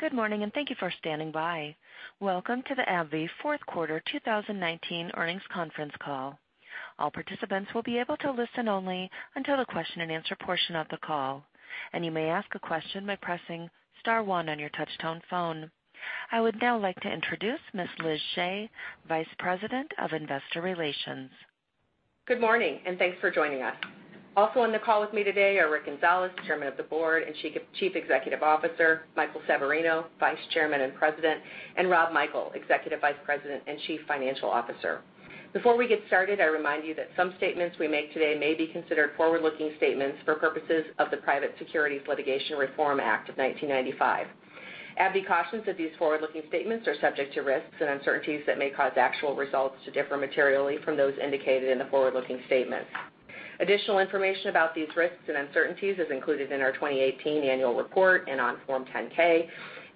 Good morning, and thank you for standing by. Welcome to the AbbVie fourth quarter 2019 earnings conference call. All participants will be able to listen only until the question and answer portion of the call, and you may ask a question by pressing star one on your touch-tone phone. I would now like to introduce Ms. Liz Shea, Vice President of Investor Relations. Good morning, and thanks for joining us. Also on the call with me today are Rick Gonzalez, Chairman of the Board and Chief Executive Officer, Michael Severino, Vice Chairman and President, and Rob Michael, Executive Vice President and Chief Financial Officer. Before we get started, I remind you that some statements we make today may be considered forward-looking statements for purposes of the Private Securities Litigation Reform Act of 1995. AbbVie cautions that these forward-looking statements are subject to risks and uncertainties that may cause actual results to differ materially from those indicated in the forward-looking statements. Additional information about these risks and uncertainties is included in our 2018 annual report and on Form 10-K,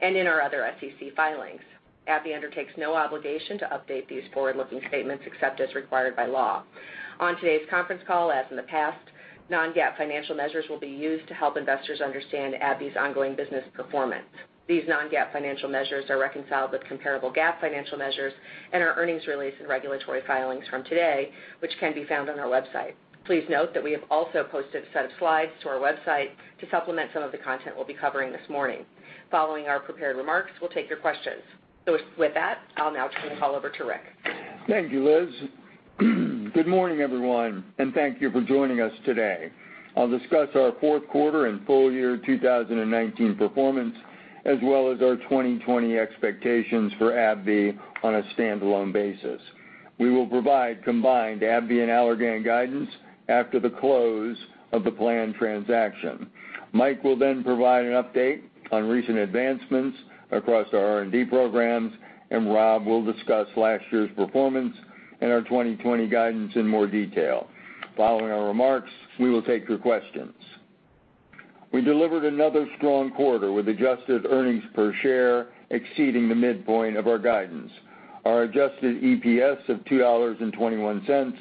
and in our other SEC filings. AbbVie undertakes no obligation to update these forward-looking statements except as required by law. On today's conference call, as in the past, non-GAAP financial measures will be used to help investors understand AbbVie's ongoing business performance. These non-GAAP financial measures are reconciled with comparable GAAP financial measures in our earnings release and regulatory filings from today, which can be found on our website. Please note that we have also posted a set of slides to our website to supplement some of the content we'll be covering this morning. Following our prepared remarks, we'll take your questions. With that, I'll now turn the call over to Rick. Thank you, Liz. Good morning, everyone. Thank you for joining us today. I will discuss our fourth quarter and full year 2019 performance, as well as our 2020 expectations for AbbVie on a standalone basis. We will provide combined AbbVie and Allergan guidance after the close of the planned transaction. Mike will then provide an update on recent advancements across our R&D programs, and Rob will discuss last year's performance and our 2020 guidance in more detail. Following our remarks, we will take your questions. We delivered another strong quarter with adjusted earnings per share exceeding the midpoint of our guidance. Our adjusted EPS of $2.21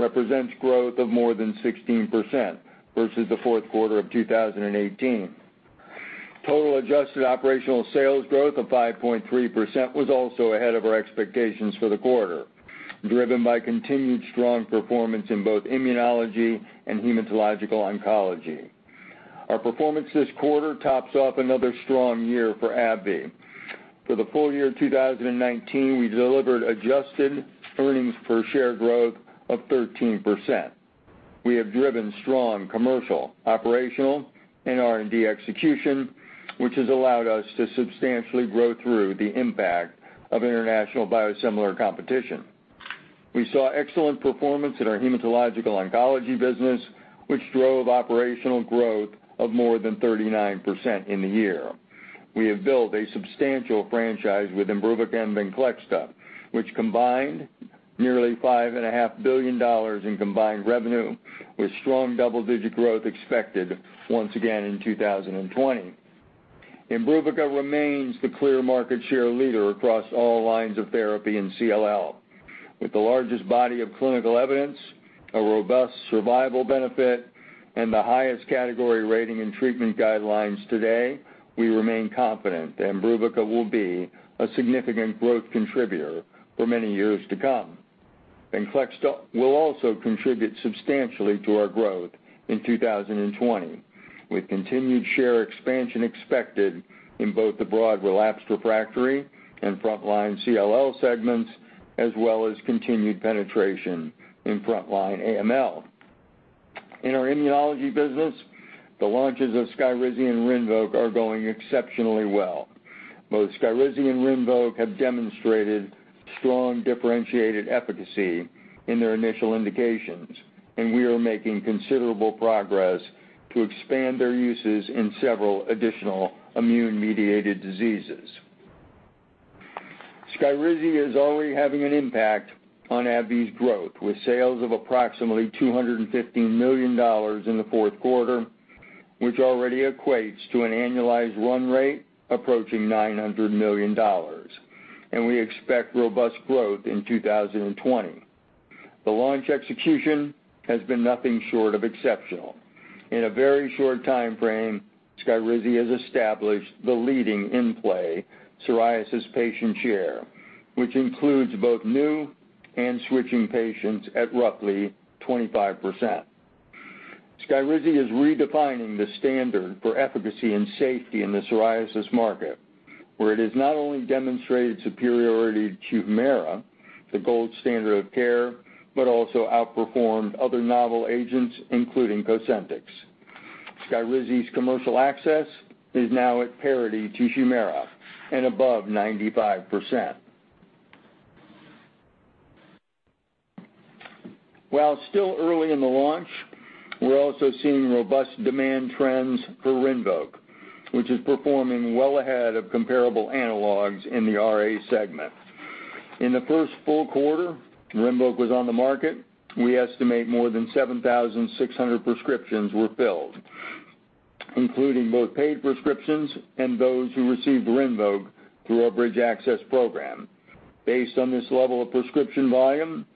represents growth of more than 16% versus the fourth quarter of 2018. Total adjusted operational sales growth of 5.3% was also ahead of our expectations for the quarter, driven by continued strong performance in both immunology and hematological oncology. Our performance this quarter tops off another strong year for AbbVie. For the full year 2019, we delivered adjusted earnings per share growth of 13%. We have driven strong commercial, operational and R&D execution, which has allowed us to substantially grow through the impact of international biosimilar competition. We saw excellent performance in our hematological oncology business, which drove operational growth of more than 39% in the year. We have built a substantial franchise with IMBRUVICA and VENCLEXTA, which combined nearly $5.5 billion in combined revenue, with strong double-digit growth expected once again in 2020. IMBRUVICA remains the clear market share leader across all lines of therapy in CLL. With the largest body of clinical evidence, a robust survival benefit, and the highest category rating and treatment guidelines today, we remain confident that IMBRUVICA will be a significant growth contributor for many years to come. VENCLEXTA will also contribute substantially to our growth in 2020, with continued share expansion expected in both the broad relapsed/refractory and frontline CLL segments, as well as continued penetration in frontline AML. In our immunology business, the launches of SKYRIZI and RINVOQ are going exceptionally well. Both SKYRIZI and RINVOQ have demonstrated strong differentiated efficacy in their initial indications, we are making considerable progress to expand their uses in several additional immune-mediated diseases. SKYRIZI is already having an impact on AbbVie's growth, with sales of approximately $215 million in the fourth quarter, which already equates to an annualized run rate approaching $900 million. We expect robust growth in 2020. The launch execution has been nothing short of exceptional. In a very short timeframe, SKYRIZI has established the leading in-play psoriasis patient share, which includes both new and switching patients at roughly 25%. SKYRIZI is redefining the standard for efficacy and safety in the psoriasis market, where it has not only demonstrated superiority to HUMIRA, the gold standard of care, but also outperformed other novel agents, including COSENTYX. SKYRIZI's commercial access is now at parity to HUMIRA and above 95%. While still early in the launch, we're also seeing robust demand trends for RINVOQ, which is performing well ahead of comparable analogs in the RA segment. In the first full quarter RINVOQ was on the market, we estimate more than 7,600 prescriptions were filled, including both paid prescriptions and those who received RINVOQ through our bridge access program. Based on this level of prescription volume,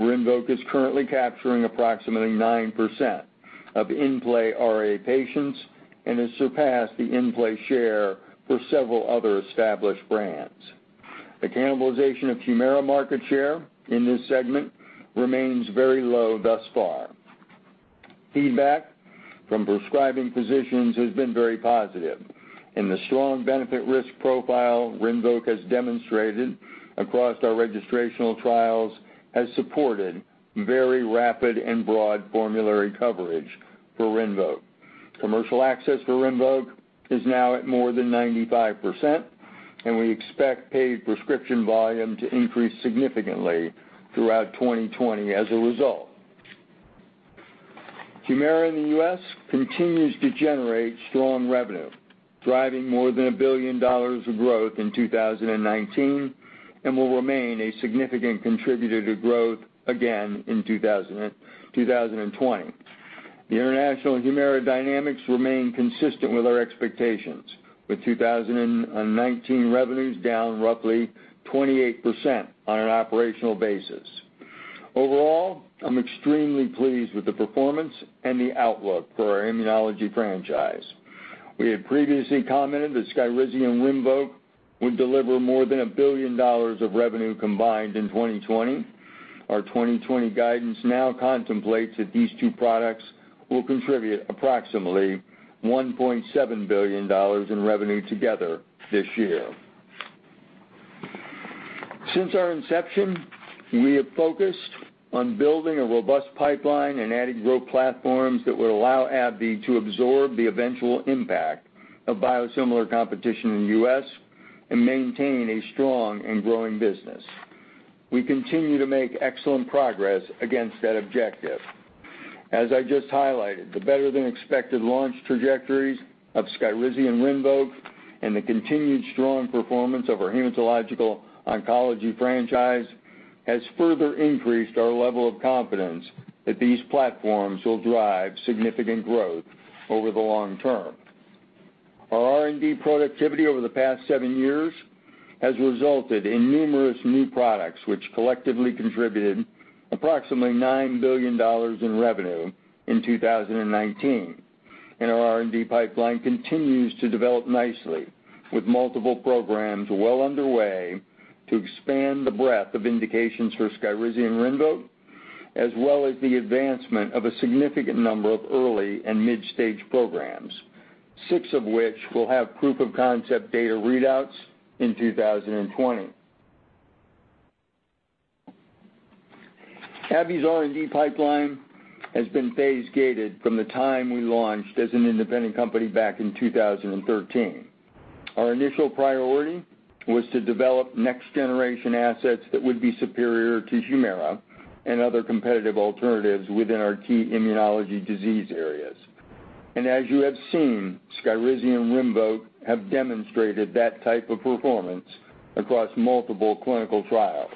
RINVOQ is currently capturing approximately 9% of in-play RA patients and has surpassed the in-play share for several other established brands. The cannibalization of HUMIRA market share in this segment remains very low thus far. Feedback from prescribing physicians has been very positive, and the strong benefit-risk profile RINVOQ has demonstrated across our registrational trials has supported very rapid and broad formulary coverage for RINVOQ. Commercial access for RINVOQ is now at more than 95%, and we expect paid prescription volume to increase significantly throughout 2020 as a result. HUMIRA in the U.S. continues to generate strong revenue, driving more than $1 billion of growth in 2019, and will remain a significant contributor to growth again in 2020. The international HUMIRA dynamics remain consistent with our expectations, with 2019 revenues down roughly 28% on an operational basis. Overall, I'm extremely pleased with the performance and the outlook for our immunology franchise. We had previously commented that SKYRIZI and RINVOQ would deliver more than $1 billion of revenue combined in 2020. Our 2020 guidance now contemplates that these two products will contribute approximately $1.7 billion in revenue together this year. Since our inception, we have focused on building a robust pipeline and adding growth platforms that would allow AbbVie to absorb the eventual impact of biosimilar competition in the U.S. and maintain a strong and growing business. We continue to make excellent progress against that objective. As I just highlighted, the better-than-expected launch trajectories of SKYRIZI and RINVOQ and the continued strong performance of our hematological oncology franchise has further increased our level of confidence that these platforms will drive significant growth over the long term. Our R&D productivity over the past seven years has resulted in numerous new products, which collectively contributed approximately $9 billion in revenue in 2019. Our R&D pipeline continues to develop nicely, with multiple programs well underway to expand the breadth of indications for SKYRIZI and RINVOQ, as well as the advancement of a significant number of early and mid-stage programs, six of which will have proof-of-concept data readouts in 2020. AbbVie's R&D pipeline has been phase-gated from the time we launched as an independent company back in 2013. Our initial priority was to develop next-generation assets that would be superior to HUMIRA and other competitive alternatives within our key immunology disease areas. As you have seen, SKYRIZI and RINVOQ have demonstrated that type of performance across multiple clinical trials.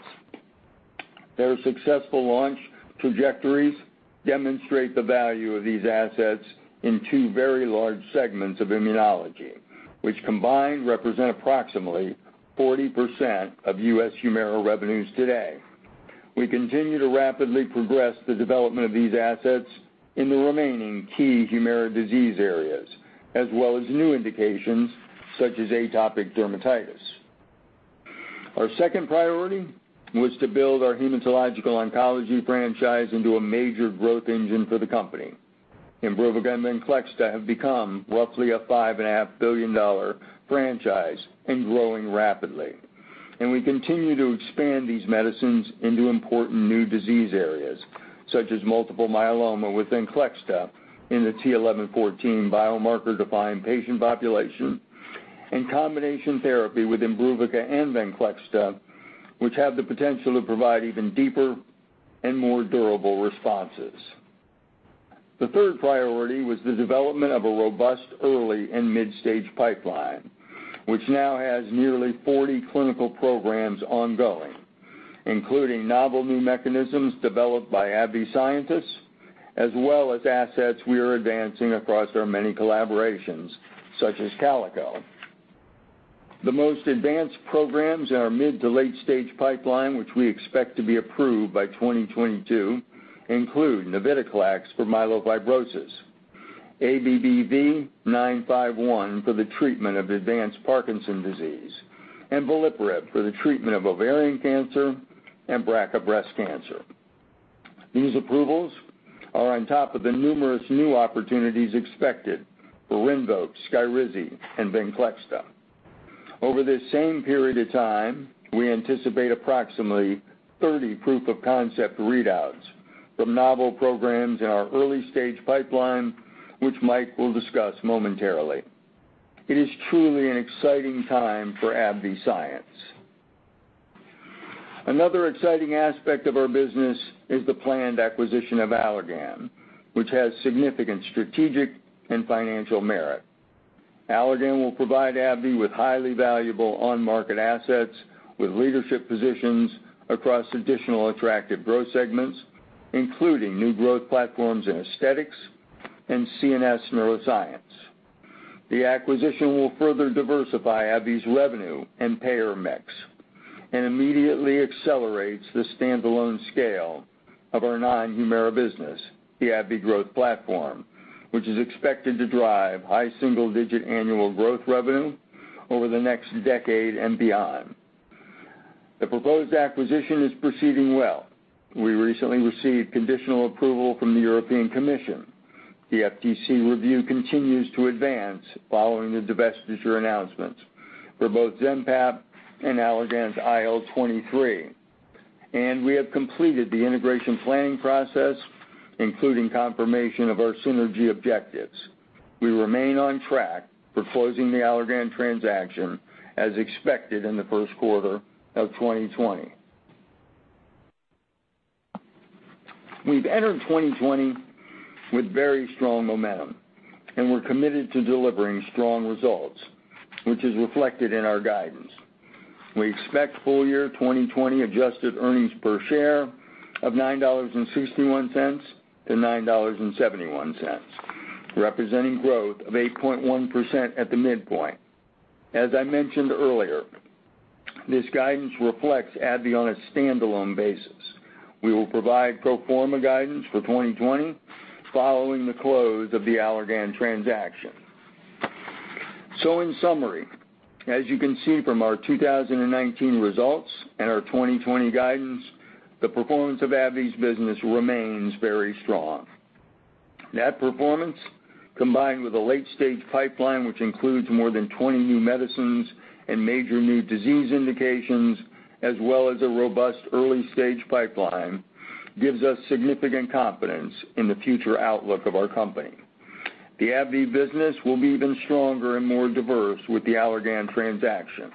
Their successful launch trajectories demonstrate the value of these assets in two very large segments of immunology, which combined represent approximately 40% of U.S. HUMIRA revenues today. We continue to rapidly progress the development of these assets in the remaining key HUMIRA disease areas, as well as new indications such as atopic dermatitis. Our second priority was to build our hematological oncology franchise into a major growth engine for the company. IMBRUVICA and VENCLEXTA have become roughly a $5.5 billion franchise and growing rapidly. We continue to expand these medicines into important new disease areas, such as multiple myeloma with VENCLEXTA in the t(11;14) biomarker-defined patient population, and combination therapy with IMBRUVICA and VENCLEXTA, which have the potential to provide even deeper and more durable responses. The third priority was the development of a robust early and mid-stage pipeline, which now has nearly 40 clinical programs ongoing, including novel new mechanisms developed by AbbVie scientists, as well as assets we are advancing across our many collaborations, such as Calico. The most advanced programs in our mid to late-stage pipeline, which we expect to be approved by 2022, include navitoclax for myelofibrosis, ABBV-951 for the treatment of advanced Parkinson's disease, and veliparib for the treatment of ovarian cancer and BRCA breast cancer. These approvals are on top of the numerous new opportunities expected for RINVOQ, SKYRIZI, and VENCLEXTA. Over this same period of time, we anticipate approximately 30 proof-of-concept readouts from novel programs in our early-stage pipeline, which Mike will discuss momentarily. It is truly an exciting time for AbbVie science. Another exciting aspect of our business is the planned acquisition of Allergan, which has significant strategic and financial merit. Allergan will provide AbbVie with highly valuable on-market assets with leadership positions across additional attractive growth segments, including new growth platforms in aesthetics and CNS neuroscience. The acquisition will further diversify AbbVie's revenue and payer mix, and immediately accelerates the standalone scale of our non-HUMIRA business, the AbbVie Growth Platform, which is expected to drive high single-digit annual growth revenue over the next decade and beyond. The proposed acquisition is proceeding well. We recently received conditional approval from the European Commission. The FTC review continues to advance following the divestiture announcements for both ZMapp and Allergan's IL-23. We have completed the integration planning process, including confirmation of our synergy objectives. We remain on track for closing the Allergan transaction as expected in the first quarter of 2020. We've entered 2020 with very strong momentum. We're committed to delivering strong results, which is reflected in our guidance. We expect full year 2020 adjusted earnings per share of $9.61-$9.71, representing growth of 8.1% at the midpoint. As I mentioned earlier, this guidance reflects AbbVie on a standalone basis. We will provide pro forma guidance for 2020 following the close of the Allergan transaction. In summary, as you can see from our 2019 results and our 2020 guidance, the performance of AbbVie's business remains very strong. That performance, combined with a late-stage pipeline, which includes more than 20 new medicines and major new disease indications, as well as a robust early-stage pipeline, gives us significant confidence in the future outlook of our company. The AbbVie business will be even stronger and more diverse with the Allergan transaction.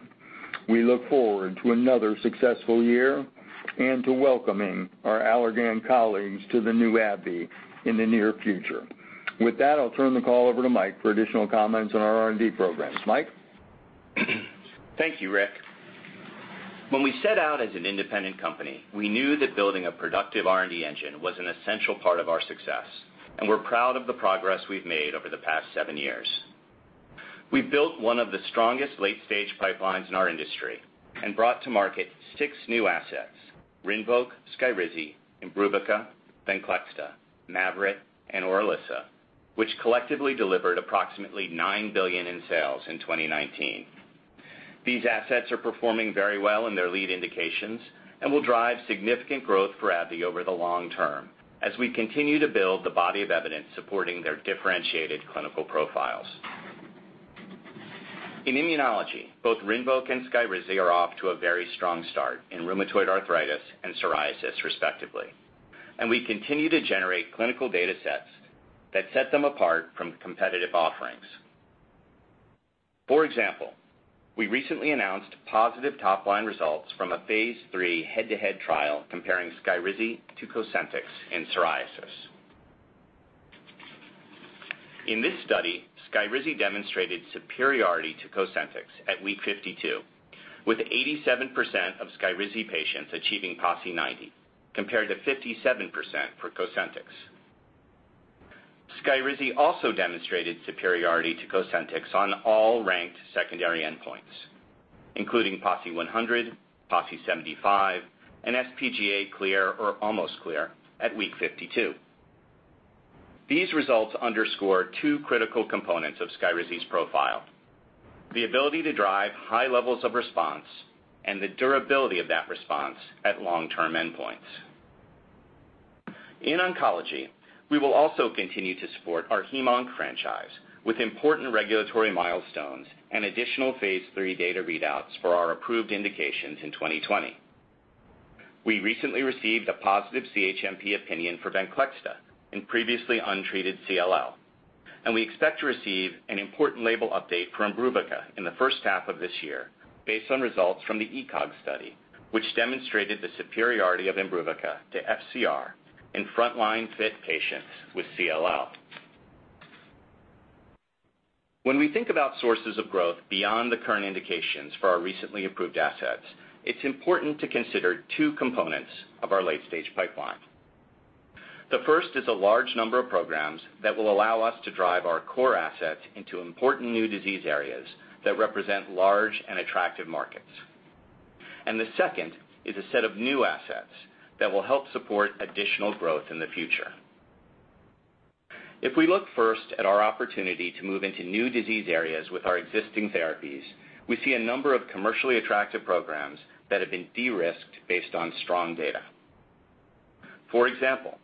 We look forward to another successful year and to welcoming our Allergan colleagues to the new AbbVie in the near future. With that, I'll turn the call over to Mike for additional comments on our R&D programs. Mike? Thank you, Rick. When we set out as an independent company, we knew that building a productive R&D engine was an essential part of our success, and we're proud of the progress we've made over the past seven years. We built one of the strongest late-stage pipelines in our industry and brought to market six new assets, RINVOQ, SKYRIZI, IMBRUVICA, VENCLEXTA, MAVYRET, and ORILISSA, which collectively delivered approximately $9 billion in sales in 2019. These assets are performing very well in their lead indications and will drive significant growth for AbbVie over the long term as we continue to build the body of evidence supporting their differentiated clinical profiles. In immunology, both RINVOQ and SKYRIZI are off to a very strong start in rheumatoid arthritis and psoriasis, respectively, and we continue to generate clinical data sets that set them apart from competitive offerings. For example, we recently announced positive top-line results from a phase III head-to-head trial comparing SKYRIZI to COSENTYX in psoriasis. In this study, SKYRIZI demonstrated superiority to COSENTYX at week 52, with 87% of SKYRIZI patients achieving PASI 90, compared to 57% for COSENTYX. SKYRIZI also demonstrated superiority to COSENTYX on all ranked secondary endpoints, including PASI 100, PASI 75, and sPGA clear or almost clear at week 52. These results underscore two critical components of SKYRIZI's profile, the ability to drive high levels of response, and the durability of that response at long-term endpoints. In oncology, we will also continue to support our hem-onc franchise with important regulatory milestones and additional phase III data readouts for our approved indications in 2020. We recently received a positive CHMP opinion for VENCLEXTA in previously untreated CLL, and we expect to receive an important label update for IMBRUVICA in the first half of this year based on results from the ECOG study, which demonstrated the superiority of IMBRUVICA to FCR in front-line fit patients with CLL. When we think about sources of growth beyond the current indications for our recently approved assets, it's important to consider two components of our late-stage pipeline. The first is a large number of programs that will allow us to drive our core assets into important new disease areas that represent large and attractive markets. The second is a set of new assets that will help support additional growth in the future. If we look first at our opportunity to move into new disease areas with our existing therapies, we see a number of commercially attractive programs that have been de-risked based on strong data. For example,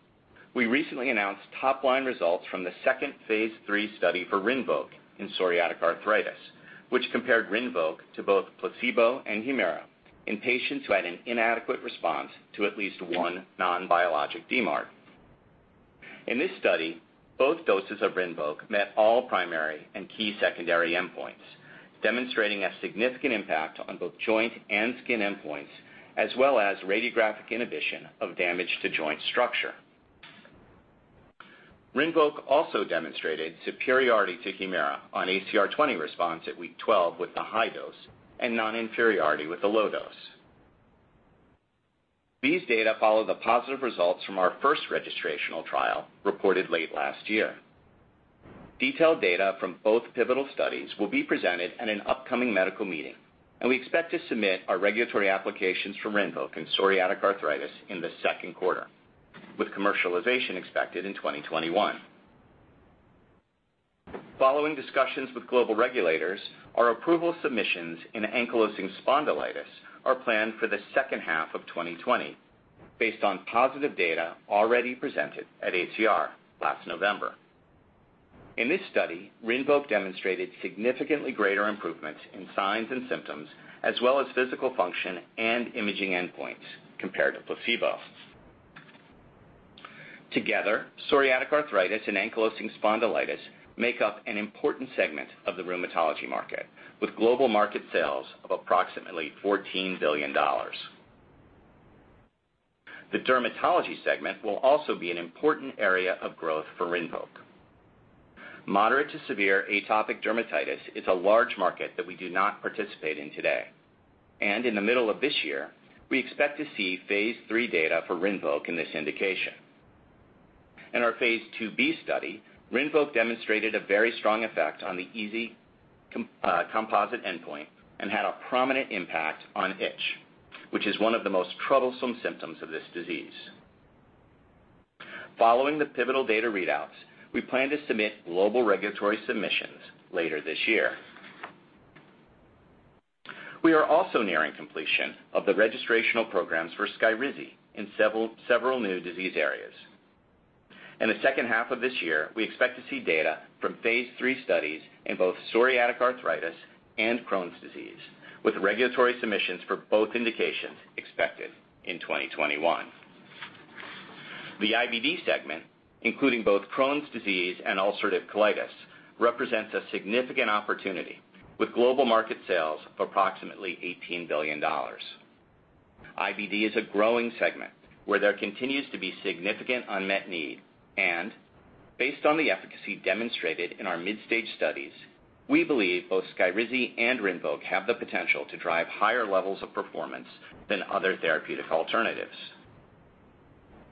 we recently announced top-line results from the second phase III study for RINVOQ in psoriatic arthritis, which compared RINVOQ to both placebo and HUMIRA in patients who had an inadequate response to at least one non-biologic DMARD. In this study, both doses of RINVOQ met all primary and key secondary endpoints, demonstrating a significant impact on both joint and skin endpoints, as well as radiographic inhibition of damage to joint structure. RINVOQ also demonstrated superiority to HUMIRA on ACR20 response at week 12 with the high dose and non-inferiority with the low dose. These data follow the positive results from our first registrational trial reported late last year. Detailed data from both pivotal studies will be presented at an upcoming medical meeting. We expect to submit our regulatory applications for RINVOQ in psoriatic arthritis in the second quarter, with commercialization expected in 2021. Following discussions with global regulators, our approval submissions in ankylosing spondylitis are planned for the second half of 2020, based on positive data already presented at ACR last November. In this study, RINVOQ demonstrated significantly greater improvement in signs and symptoms, as well as physical function and imaging endpoints compared to placebo. Together, psoriatic arthritis and ankylosing spondylitis make up an important segment of the rheumatology market, with global market sales of approximately $14 billion. The dermatology segment will also be an important area of growth for RINVOQ. Moderate to severe atopic dermatitis is a large market that we do not participate in today. In the middle of this year, we expect to see phase III data for RINVOQ in this indication. In our phase II-B study, RINVOQ demonstrated a very strong effect on the EASI composite endpoint and had a prominent impact on itch, which is one of the most troublesome symptoms of this disease. Following the pivotal data readouts, we plan to submit global regulatory submissions later this year. We are also nearing completion of the registrational programs for SKYRIZI in several new disease areas. In the second half of this year, we expect to see data from phase III studies in both psoriatic arthritis and Crohn's disease, with regulatory submissions for both indications expected in 2021. The IBD segment, including both Crohn's disease and ulcerative colitis, represents a significant opportunity, with global market sales of approximately $18 billion. IBD is a growing segment where there continues to be significant unmet need, based on the efficacy demonstrated in our mid-stage studies, we believe both SKYRIZI and RINVOQ have the potential to drive higher levels of performance than other therapeutic alternatives.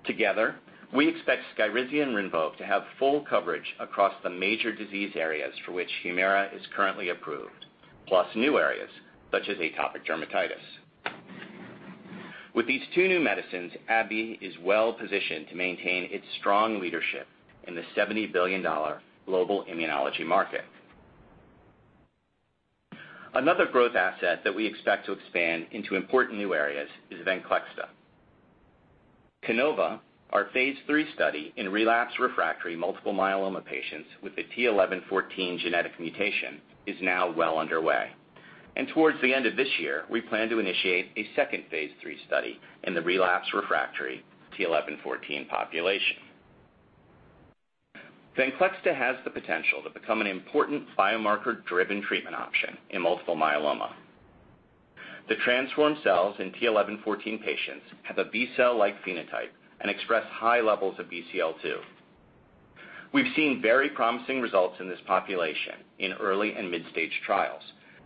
Together, we expect SKYRIZI and RINVOQ to have full coverage across the major disease areas for which HUMIRA is currently approved, plus new areas, such as atopic dermatitis. With these two new medicines, AbbVie is well-positioned to maintain its strong leadership in the $70 billion global immunology market. Another growth asset that we expect to expand into important new areas is VENCLEXTA. CANOVA, our phase III study in relapsed refractory multiple myeloma patients with the t(11;14) genetic mutation, is now well underway. Towards the end of this year, we plan to initiate a second phase III study in the relapsed refractory t(11;14) population. VENCLEXTA has the potential to become an important biomarker-driven treatment option in multiple myeloma. The transformed cells in t(11;14) patients have a B-cell-like phenotype and express high levels of BCL-2. We've seen very promising results in this population in early and mid-stage trials,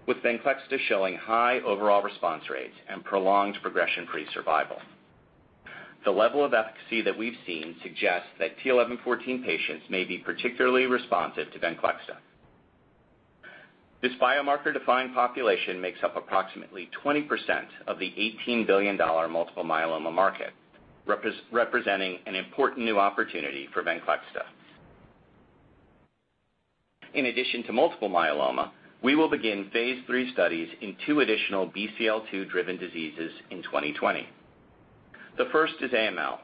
with VENCLEXTA showing high overall response rates and prolonged progression-free survival. The level of efficacy that we've seen suggests that t(11;14) patients may be particularly responsive to VENCLEXTA. This biomarker-defined population makes up approximately 20% of the $18 billion multiple myeloma market, representing an important new opportunity for VENCLEXTA. In addition to multiple myeloma, we will begin phase III studies in two additional BCL-2-driven diseases in 2020. The first is AML.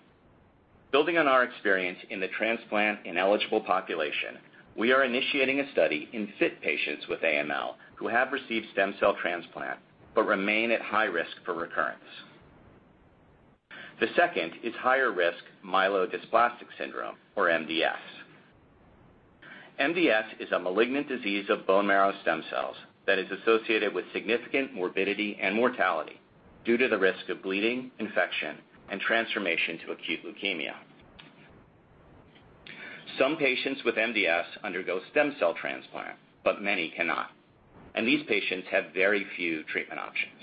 Building on our experience in the transplant-ineligible population, we are initiating a study in fit patients with AML who have received stem cell transplant but remain at high risk for recurrence. The second is higher-risk myelodysplastic syndrome, or MDS. MDS is a malignant disease of bone marrow stem cells that is associated with significant morbidity and mortality due to the risk of bleeding, infection, and transformation to acute leukemia. Some patients with MDS undergo stem cell transplant, but many cannot, and these patients have very few treatment options.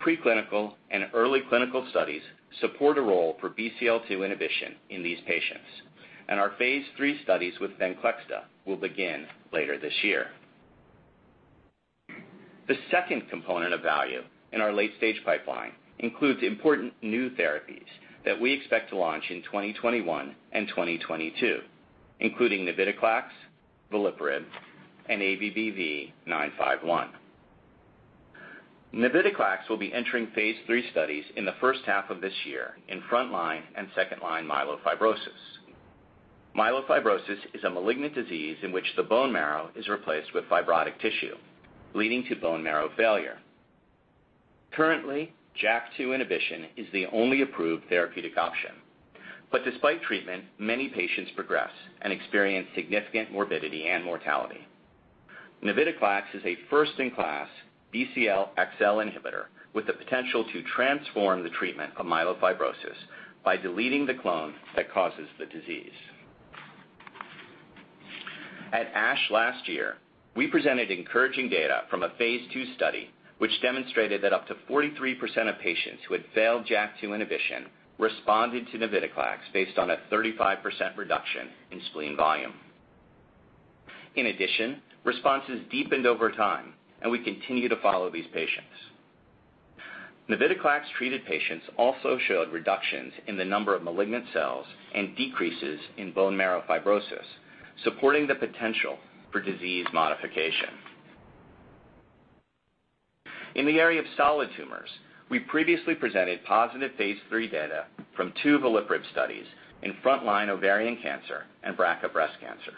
Preclinical and early clinical studies support a role for BCL-2 inhibition in these patients, and our phase III studies with VENCLEXTA will begin later this year. The second component of value in our late-stage pipeline includes important new therapies that we expect to launch in 2021 and 2022, including navitoclax, veliparib, and ABBV-951. Navitoclax will be entering phase III studies in the first half of this year in front-line and second-line myelofibrosis. Myelofibrosis is a malignant disease in which the bone marrow is replaced with fibrotic tissue, leading to bone marrow failure. Currently, JAK2 inhibition is the only approved therapeutic option. Despite treatment, many patients progress and experience significant morbidity and mortality. navitoclax is a first-in-class BCL-xL inhibitor with the potential to transform the treatment of myelofibrosis by deleting the clone that causes the disease. At ASH last year, we presented encouraging data from a phase II study, which demonstrated that up to 43% of patients who had failed JAK2 inhibition responded to navitoclax based on a 35% reduction in spleen volume. In addition, responses deepened over time, and we continue to follow these patients. navitoclax-treated patients also showed reductions in the number of malignant cells and decreases in bone marrow fibrosis, supporting the potential for disease modification. In the area of solid tumors, we previously presented positive phase III data from two veliparib studies in front-line ovarian cancer and BRCA breast cancer.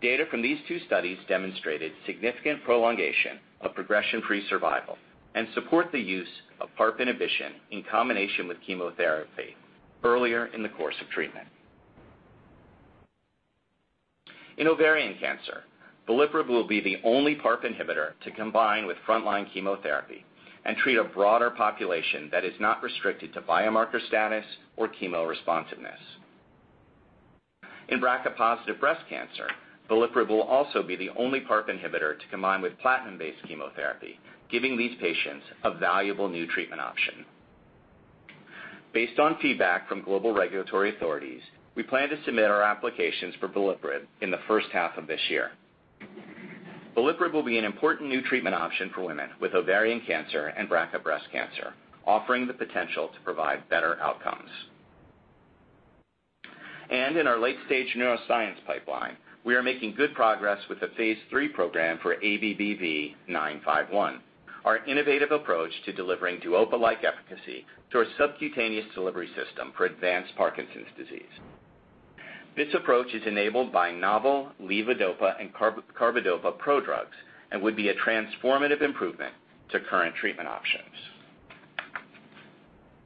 Data from these two studies demonstrated significant prolongation of progression-free survival and support the use of PARP inhibition in combination with chemotherapy earlier in the course of treatment. In ovarian cancer, veliparib will be the only PARP inhibitor to combine with front-line chemotherapy and treat a broader population that is not restricted to biomarker status or chemo responsiveness. In BRCA-positive breast cancer, veliparib will also be the only PARP inhibitor to combine with platinum-based chemotherapy, giving these patients a valuable new treatment option. Based on feedback from global regulatory authorities, we plan to submit our applications for veliparib in the first half of this year. Veliparib will be an important new treatment option for women with ovarian cancer and BRCA breast cancer, offering the potential to provide better outcomes. In our late-stage neuroscience pipeline, we are making good progress with the phase III program for ABBV-951, our innovative approach to delivering DUOPA-like efficacy through a subcutaneous delivery system for advanced Parkinson's disease. This approach is enabled by novel levodopa and carbidopa prodrugs and would be a transformative improvement to current treatment options.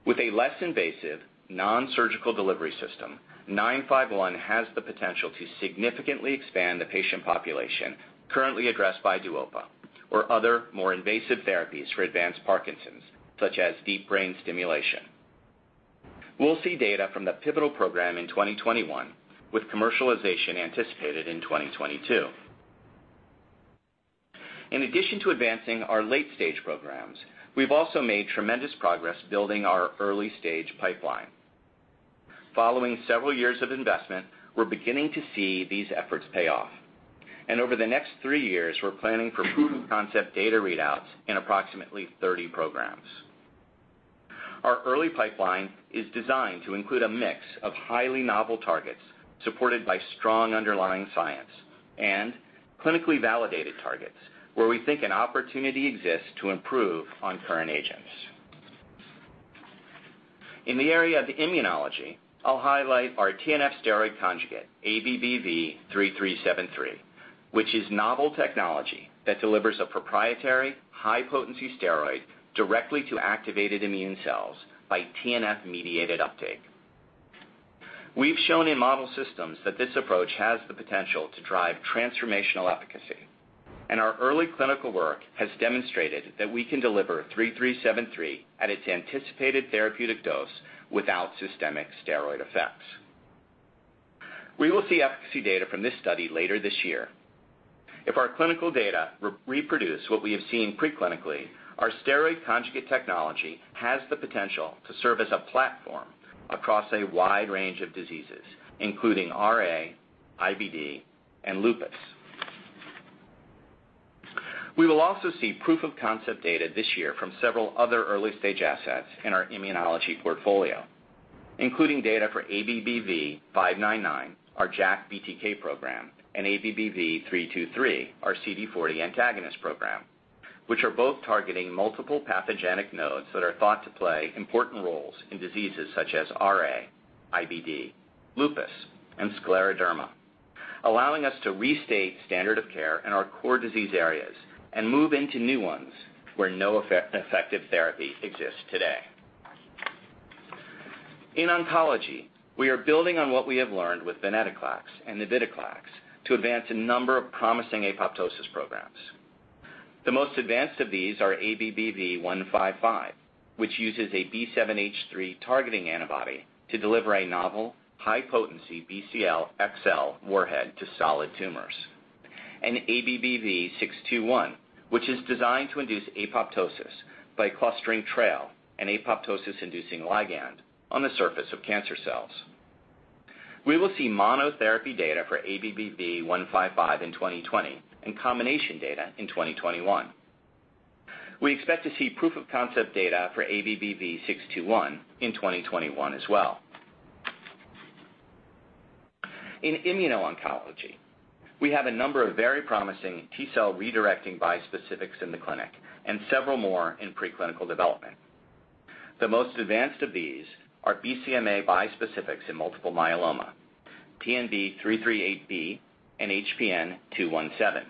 With a less invasive, nonsurgical delivery system, 951 has the potential to significantly expand the patient population currently addressed by DUOPA or other, more invasive therapies for advanced Parkinson's, such as deep brain stimulation. We'll see data from the pivotal program in 2021, with commercialization anticipated in 2022. In addition to advancing our late-stage programs, we've also made tremendous progress building our early-stage pipeline. Following several years of investment, we're beginning to see these efforts pay off. Over the next three years, we're planning for proof-of-concept data readouts in approximately 30 programs. Our early pipeline is designed to include a mix of highly novel targets, supported by strong underlying science and clinically validated targets, where we think an opportunity exists to improve on current agents. In the area of immunology, I'll highlight our TNF steroid conjugate, ABBV-3373, which is novel technology that delivers a proprietary high-potency steroid directly to activated immune cells by TNF-mediated uptake. We've shown in model systems that this approach has the potential to drive transformational efficacy, and our early clinical work has demonstrated that we can deliver 3373 at its anticipated therapeutic dose without systemic steroid effects. We will see efficacy data from this study later this year. If our clinical data reproduce what we have seen pre-clinically, our steroid conjugate technology has the potential to serve as a platform across a wide range of diseases, including RA, IBD, and lupus. We will also see proof-of-concept data this year from several other early-stage assets in our immunology portfolio, including data for ABBV-599, our JAK/BTK program, and ABBV-323, our CD40 antagonist program, which are both targeting multiple pathogenic nodes that are thought to play important roles in diseases such as RA, IBD, lupus, and scleroderma, allowing us to restate standard of care in our core disease areas and move into new ones where no effective therapy exists today. In oncology, we are building on what we have learned with venetoclax and navitoclax to advance a number of promising apoptosis programs. The most advanced of these are ABBV-155, which uses a B7H3 targeting antibody to deliver a novel high-potency BCL-xL warhead to solid tumors, and ABBV-621, which is designed to induce apoptosis by clustering TRAIL, an apoptosis-inducing ligand, on the surface of cancer cells. We will see monotherapy data for ABBV-155 in 2020 and combination data in 2021. We expect to see proof-of-concept data for ABBV-621 in 2021 as well. In immuno-oncology, we have a number of very promising T-cell redirecting bispecifics in the clinic and several more in pre-clinical development. The most advanced of these are BCMA bispecifics in multiple myeloma, TNB-383B, and HPN217.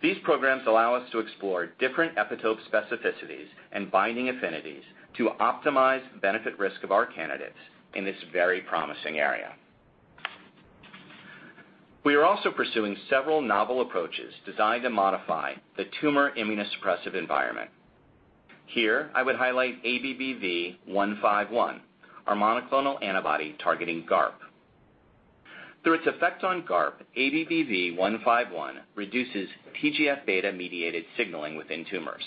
These programs allow us to explore different epitope specificities and binding affinities to optimize benefit risk of our candidates in this very promising area. We are also pursuing several novel approaches designed to modify the tumor immunosuppressive environment. Here, I would highlight ABBV-151, our monoclonal antibody targeting GARP. Through its effect on GARP, ABBV-151 reduces TGF-beta-mediated signaling within tumors.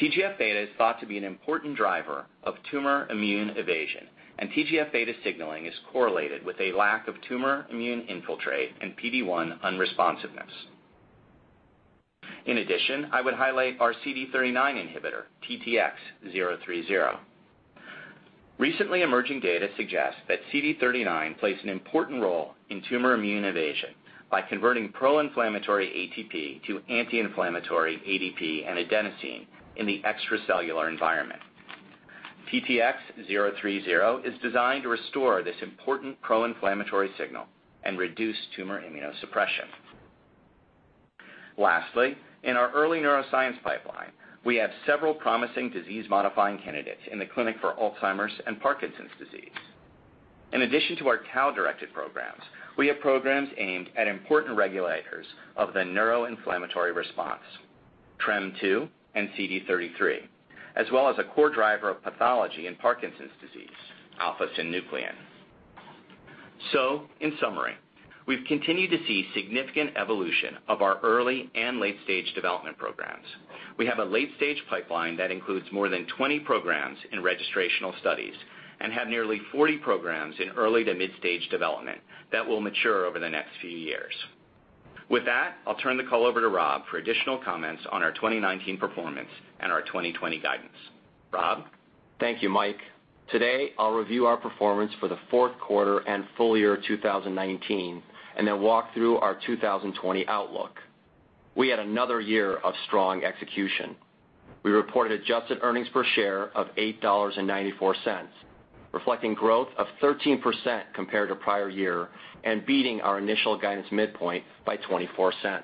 TGF-beta is thought to be an important driver of tumor immune evasion, and TGF-beta signaling is correlated with a lack of tumor immune infiltrate and PD-1 unresponsiveness. I would highlight our CD39 inhibitor, TTX-030. Recently emerging data suggests that CD39 plays an important role in tumor immune evasion by converting pro-inflammatory ATP to anti-inflammatory ADP and adenosine in the extracellular environment. TTX-030 is designed to restore this important pro-inflammatory signal and reduce tumor immunosuppression. In our early neuroscience pipeline, we have several promising disease-modifying candidates in the clinic for Alzheimer's and Parkinson's disease. In addition to our tau-directed programs, we have programs aimed at important regulators of the neuroinflammatory response, TREM2 and CD33, as well as a core driver of pathology in Parkinson's disease, alpha-synuclein. In summary, we've continued to see significant evolution of our early and late-stage development programs. We have a late-stage pipeline that includes more than 20 programs in registrational studies and have nearly 40 programs in early to mid-stage development that will mature over the next few years. With that, I'll turn the call over to Rob for additional comments on our 2019 performance and our 2020 guidance. Rob? Thank you, Mike. Today, I'll review our performance for the fourth quarter and full year 2019, then walk through our 2020 outlook. We had another year of strong execution. We reported adjusted earnings per share of $8.94, reflecting growth of 13% compared to prior year and beating our initial guidance midpoint by $0.24.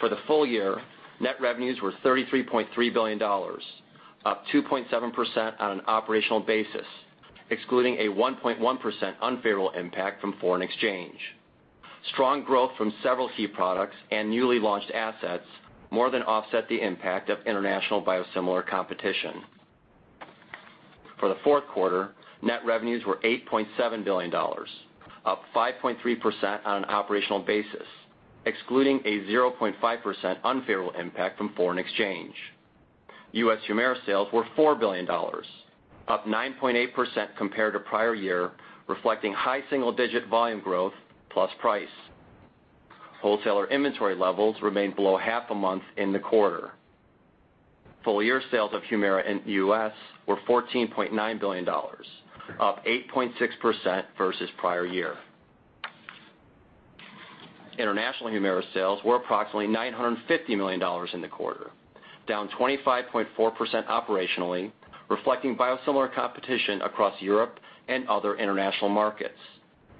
For the full year, net revenues were $33.3 billion, up 2.7% on an operational basis, excluding a 1.1% unfavorable impact from foreign exchange. Strong growth from several key products and newly launched assets more than offset the impact of international biosimilar competition. For the fourth quarter, net revenues were $8.7 billion, up 5.3% on an operational basis, excluding a 0.5% unfavorable impact from foreign exchange. U.S. HUMIRA sales were $4 billion, up 9.8% compared to prior year, reflecting high single-digit volume growth plus price. Wholesaler inventory levels remained below half a month in the quarter. Full-year sales of HUMIRA in the U.S. were $14.9 billion, up 8.6% versus prior year. International HUMIRA sales were approximately $950 million in the quarter, down 25.4% operationally, reflecting biosimilar competition across Europe and other international markets,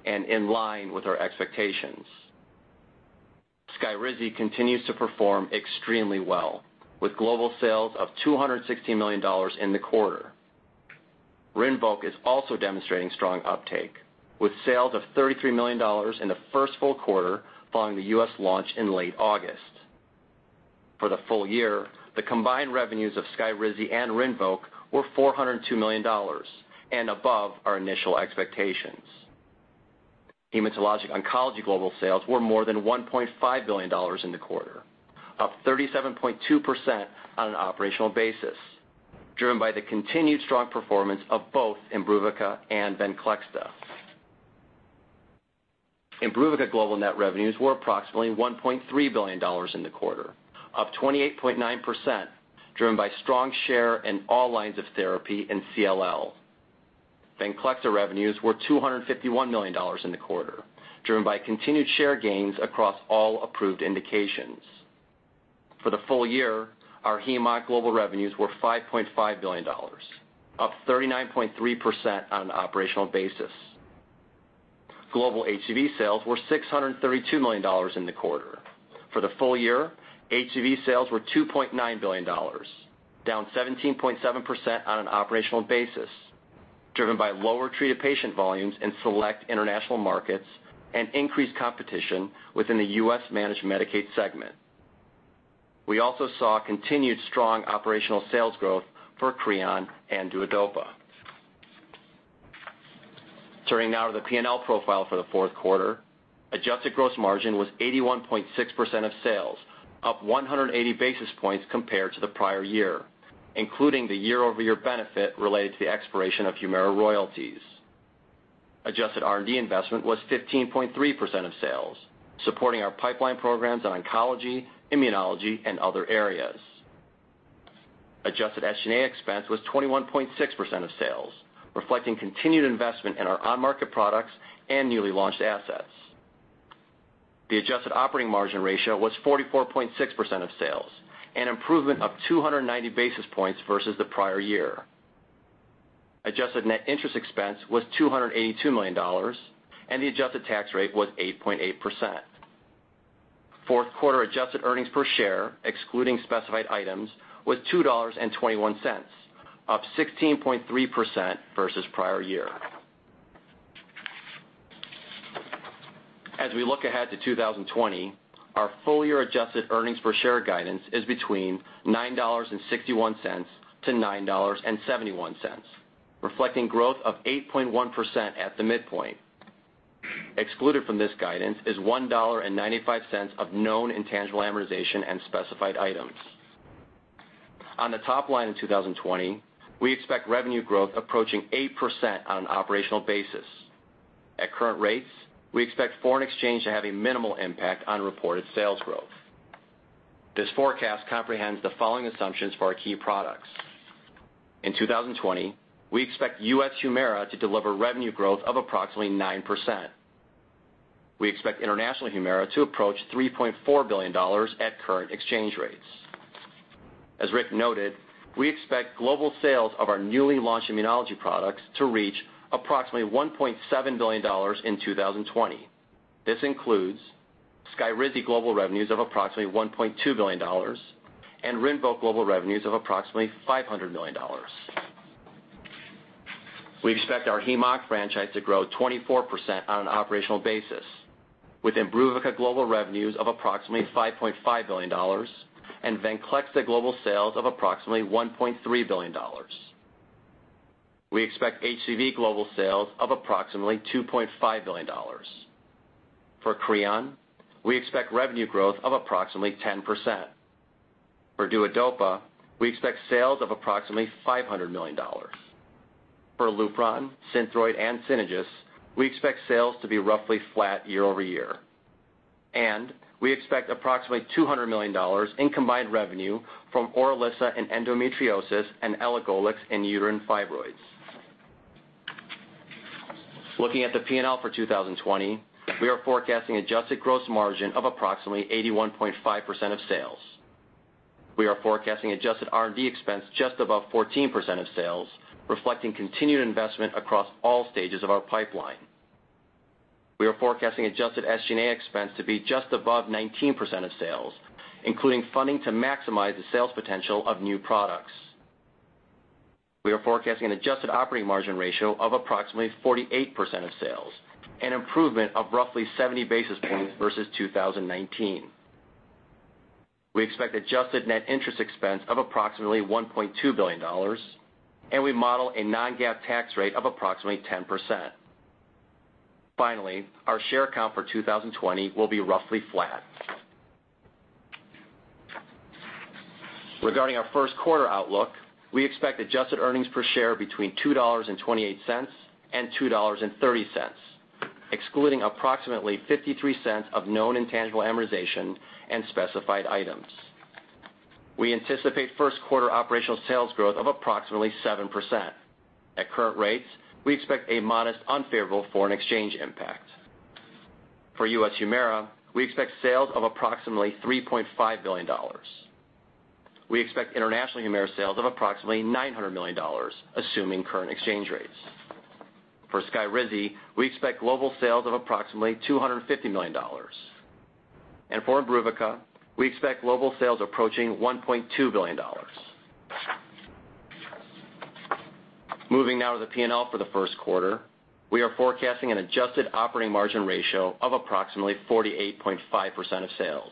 and in line with our expectations. SKYRIZI continues to perform extremely well, with global sales of $260 million in the quarter. RINVOQ is also demonstrating strong uptake, with sales of $33 million in the first full quarter following the U.S. launch in late August. For the full year, the combined revenues of SKYRIZI and RINVOQ were $402 million and above our initial expectations. Hematologic oncology global sales were more than $1.5 billion in the quarter, up 37.2% on an operational basis, driven by the continued strong performance of both IMBRUVICA and VENCLEXTA. IMBRUVICA global net revenues were approximately $1.3 billion in the quarter, up 28.9%, driven by strong share in all lines of therapy in CLL. VENCLEXTA revenues were $251 million in the quarter, driven by continued share gains across all approved indications. For the full year, our hemo global revenues were $5.5 billion, up 39.3% on an operational basis. Global HCV sales were $632 million in the quarter. For the full year, HCV sales were $2.9 billion, down 17.7% on an operational basis, driven by lower treated patient volumes in select international markets and increased competition within the U.S. Managed Medicaid segment. We also saw continued strong operational sales growth for CREON and DUODOPA. Turning now to the P&L profile for the fourth quarter, adjusted gross margin was 81.6% of sales, up 180 basis points compared to the prior year, including the year-over-year benefit related to the expiration of HUMIRA royalties. Adjusted R&D investment was 15.3% of sales, supporting our pipeline programs on oncology, immunology, and other areas. Adjusted SG&A expense was 21.6% of sales, reflecting continued investment in our on-market products and newly launched assets. The adjusted operating margin ratio was 44.6% of sales, an improvement of 290 basis points versus the prior year. Adjusted net interest expense was $282 million, and the adjusted tax rate was 8.8%. Fourth quarter adjusted earnings per share, excluding specified items, was $2.21, up 16.3% versus prior year. As we look ahead to 2020, our full-year adjusted earnings per share guidance is between $9.61-$9.71, reflecting growth of 8.1% at the midpoint. Excluded from this guidance is $1.95 of known intangible amortization and specified items. On the top line in 2020, we expect revenue growth approaching 8% on an operational basis. At current rates, we expect foreign exchange to have a minimal impact on reported sales growth. This forecast comprehends the following assumptions for our key products. In 2020, we expect U.S. HUMIRA to deliver revenue growth of approximately 9%. We expect international HUMIRA to approach $3.4 billion at current exchange rates. As Rick noted, we expect global sales of our newly launched immunology products to reach approximately $1.7 billion in 2020. This includes SKYRIZI global revenues of approximately $1.2 billion and RINVOQ global revenues of approximately $500 million. We expect our hem-onc franchise to grow 24% on an operational basis, with IMBRUVICA global revenues of approximately $5.5 billion, and VENCLEXTA global sales of approximately $1.3 billion. We expect HCV global sales of approximately $2.5 billion. For CREON, we expect revenue growth of approximately 10%. For DUODOPA, we expect sales of approximately $500 million. For Lupron, Synthroid, and Synagis, we expect sales to be roughly flat year-over-year. We expect approximately $200 million in combined revenue from ORILISSA in endometriosis and elagolix in uterine fibroids. Looking at the P&L for 2020, we are forecasting adjusted gross margin of approximately 81.5% of sales. We are forecasting adjusted R&D expense just above 14% of sales, reflecting continued investment across all stages of our pipeline. We are forecasting adjusted SG&A expense to be just above 19% of sales, including funding to maximize the sales potential of new products. We are forecasting an adjusted operating margin ratio of approximately 48% of sales, an improvement of roughly 70 basis points versus 2019. We expect adjusted net interest expense of approximately $1.2 billion. We model a non-GAAP tax rate of approximately 10%. Finally, our share count for 2020 will be roughly flat. Regarding our first quarter outlook, we expect adjusted earnings per share between $2.28 and $2.30, excluding approximately $0.53 of known intangible amortization and specified items. We anticipate first quarter operational sales growth of approximately 7%. At current rates, we expect a modest unfavorable foreign exchange impact. For U.S. Humira, we expect sales of approximately $3.5 billion. We expect international Humira sales of approximately $900 million, assuming current exchange rates. For Skyrizi, we expect global sales of approximately $250 million. For Imbruvica, we expect global sales approaching $1.2 billion. Moving now to the P&L for the first quarter, we are forecasting an adjusted operating margin ratio of approximately 48.5% of sales.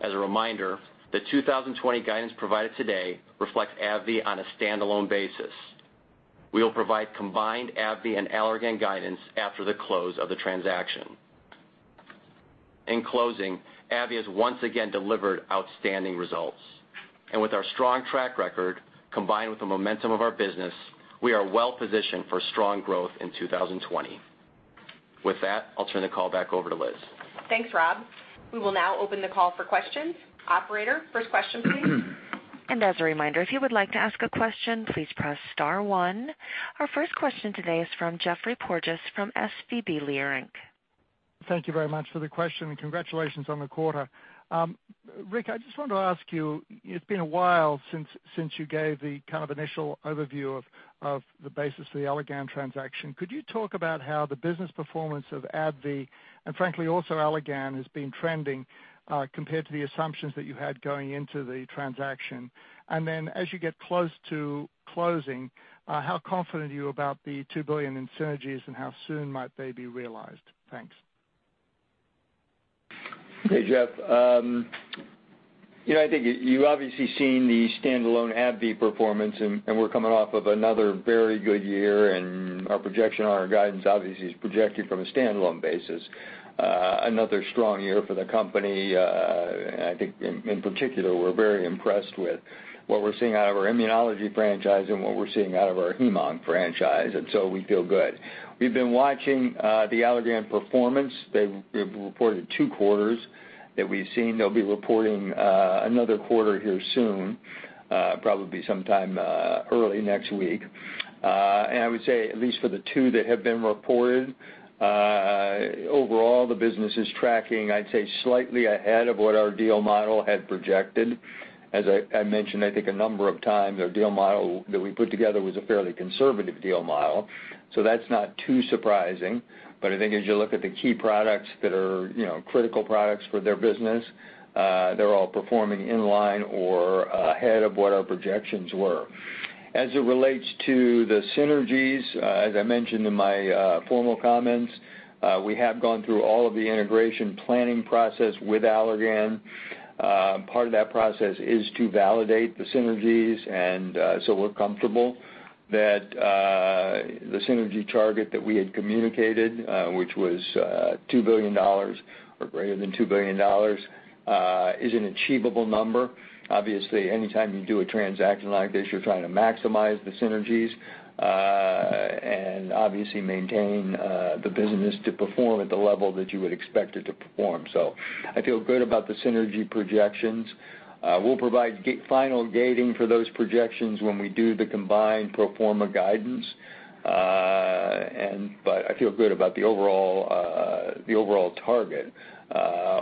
As a reminder, the 2020 guidance provided today reflects AbbVie on a standalone basis. We will provide combined AbbVie and Allergan guidance after the close of the transaction. In closing, AbbVie has once again delivered outstanding results. With our strong track record, combined with the momentum of our business, we are well-positioned for strong growth in 2020. With that, I'll turn the call back over to Liz. Thanks, Rob. We will now open the call for questions. Operator, first question please. As a reminder, if you would like to ask a question, please press star one. Our first question today is from Geoffrey Porges from SVB Leerink. Thank you very much for the question, congratulations on the quarter. Rick, I just wanted to ask you, it's been a while since you gave the initial overview of the basis of the Allergan transaction. Could you talk about how the business performance of AbbVie, and frankly also Allergan, has been trending, compared to the assumptions that you had going into the transaction? As you get close to closing, how confident are you about the $2 billion in synergies and how soon might they be realized? Thanks. Hey, Geff. I think you've obviously seen the standalone AbbVie performance. We're coming off of another very good year, and our projection on our guidance obviously is projected from a standalone basis. Another strong year for the company. I think in particular, we're very impressed with what we're seeing out of our immunology franchise and what we're seeing out of our hem-onc franchise. We feel good. We've been watching the Allergan performance. They've reported two quarters that we've seen. They'll be reporting another quarter here soon, probably sometime early next week. I would say, at least for the two that have been reported, overall the business is tracking, I'd say, slightly ahead of what our deal model had projected. As I mentioned I think a number of times, our deal model that we put together was a fairly conservative deal model, so that's not too surprising. I think as you look at the key products that are critical products for their business, they're all performing in line or ahead of what our projections were. As it relates to the synergies, as I mentioned in my formal comments, we have gone through all of the integration planning process with Allergan. Part of that process is to validate the synergies. We're comfortable that the synergy target that we had communicated, which was greater than $2 billion, is an achievable number. Obviously, anytime you do a transaction like this, you're trying to maximize the synergies, and obviously maintain the business to perform at the level that you would expect it to perform. I feel good about the synergy projections. We'll provide final gating for those projections when we do the combined pro forma guidance. I feel good about the overall target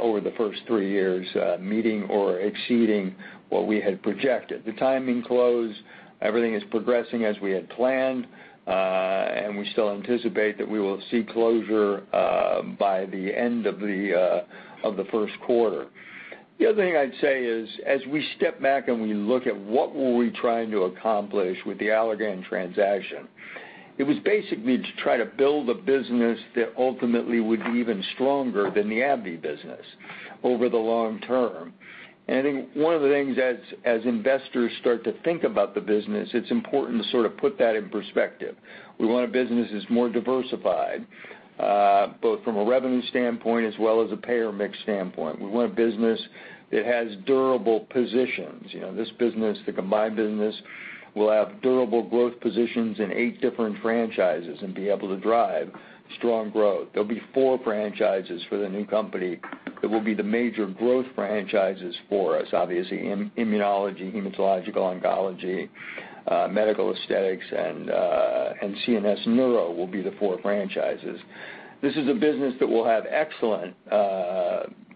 over the first three years, meeting or exceeding what we had projected. The timing close, everything is progressing as we had planned, and we still anticipate that we will see closure by the end of the first quarter. The other thing I'd say is, as we step back and we look at what were we trying to accomplish with the Allergan transaction, it was basically to try to build a business that ultimately would be even stronger than the AbbVie business over the long term. I think one of the things as investors start to think about the business, it's important to sort of put that in perspective. We want a business that's more diversified, both from a revenue standpoint as well as a payer mix standpoint. We want a business that has durable positions. This business, the combined business, will have durable growth positions in eight different franchises and be able to drive strong growth. There'll be four franchises for the new company that will be the major growth franchises for us. Obviously, immunology, hematological oncology, medical aesthetics, and CNS neuro will be the four franchises. This is a business that will have excellent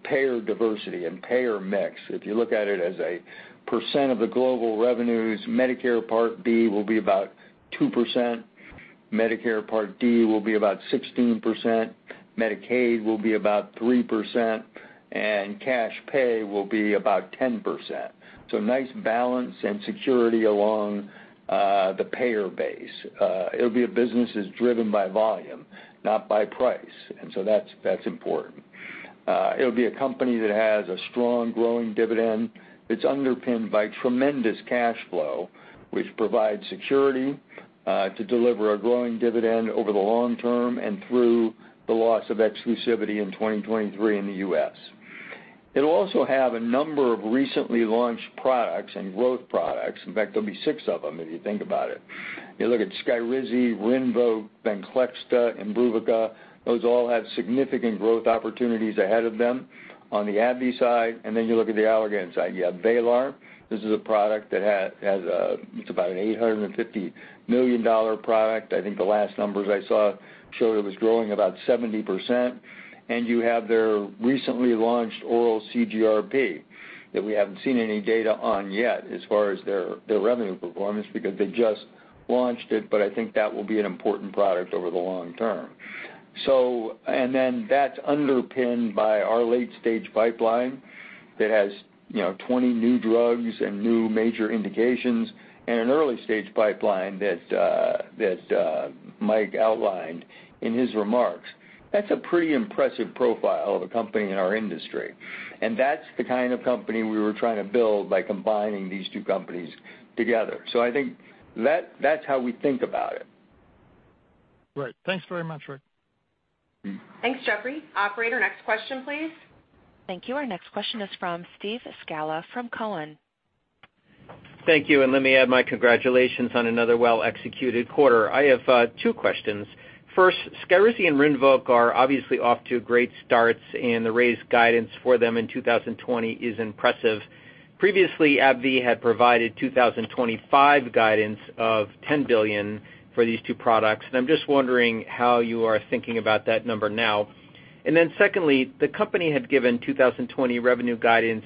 payer diversity and payer mix. If you look at it as a percent of the global revenues, Medicare Part B will be about 2%, Medicare Part D will be about 16%, Medicaid will be about 3%, and cash pay will be about 10%. Nice balance and security along the payer base. It'll be a business that's driven by volume, not by price. That's important. It'll be a company that has a strong growing dividend that's underpinned by tremendous cash flow, which provides security to deliver a growing dividend over the long term and through the loss of exclusivity in 2023 in the U.S. It'll also have a number of recently launched products and growth products. In fact, there'll be six of them if you think about it. You look at SKYRIZI, RINVOQ, VENCLEXTA, IMBRUVICA, those all have significant growth opportunities ahead of them on the AbbVie side. You look at the Allergan side, you have VRAYLAR. This is a product that's about an $850 million product. I think the last numbers I saw showed it was growing about 70%. You have their recently launched oral CGRP that we haven't seen any data on yet as far as their revenue performance, because they just launched it, but I think that will be an important product over the long term. That's underpinned by our late-stage pipeline that has 20 new drugs and new major indications, and an early-stage pipeline that Mike outlined in his remarks. That's a pretty impressive profile of a company in our industry. That's the kind of company we were trying to build by combining these two companies together. I think that's how we think about it. Great. Thanks very much, Rick. Thanks, Geoffrey. Operator, next question, please. Thank you. Our next question is from Steve Scala from Cowen. Thank you. Let me add my congratulations on another well-executed quarter. I have two questions. First, SKYRIZI and RINVOQ are obviously off to great starts, and the raised guidance for them in 2020 is impressive. Previously, AbbVie had provided 2025 guidance of $10 billion for these two products, and I'm just wondering how you are thinking about that number now. Secondly, the company had given 2020 revenue guidance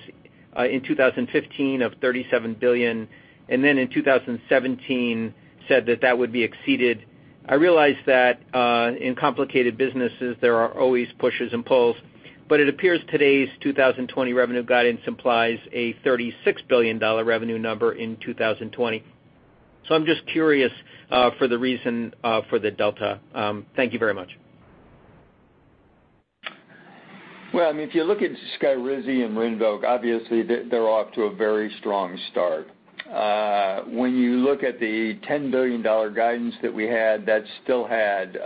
in 2015 of $37 billion, and then in 2017 said that that would be exceeded. I realize that in complicated businesses, there are always pushes and pulls, but it appears today's 2020 revenue guidance implies a $36 billion revenue number in 2020. I'm just curious for the reason for the delta. Thank you very much. Well, if you look at SKYRIZI and RINVOQ, obviously, they're off to a very strong start. When you look at the $10 billion guidance that we had, that still had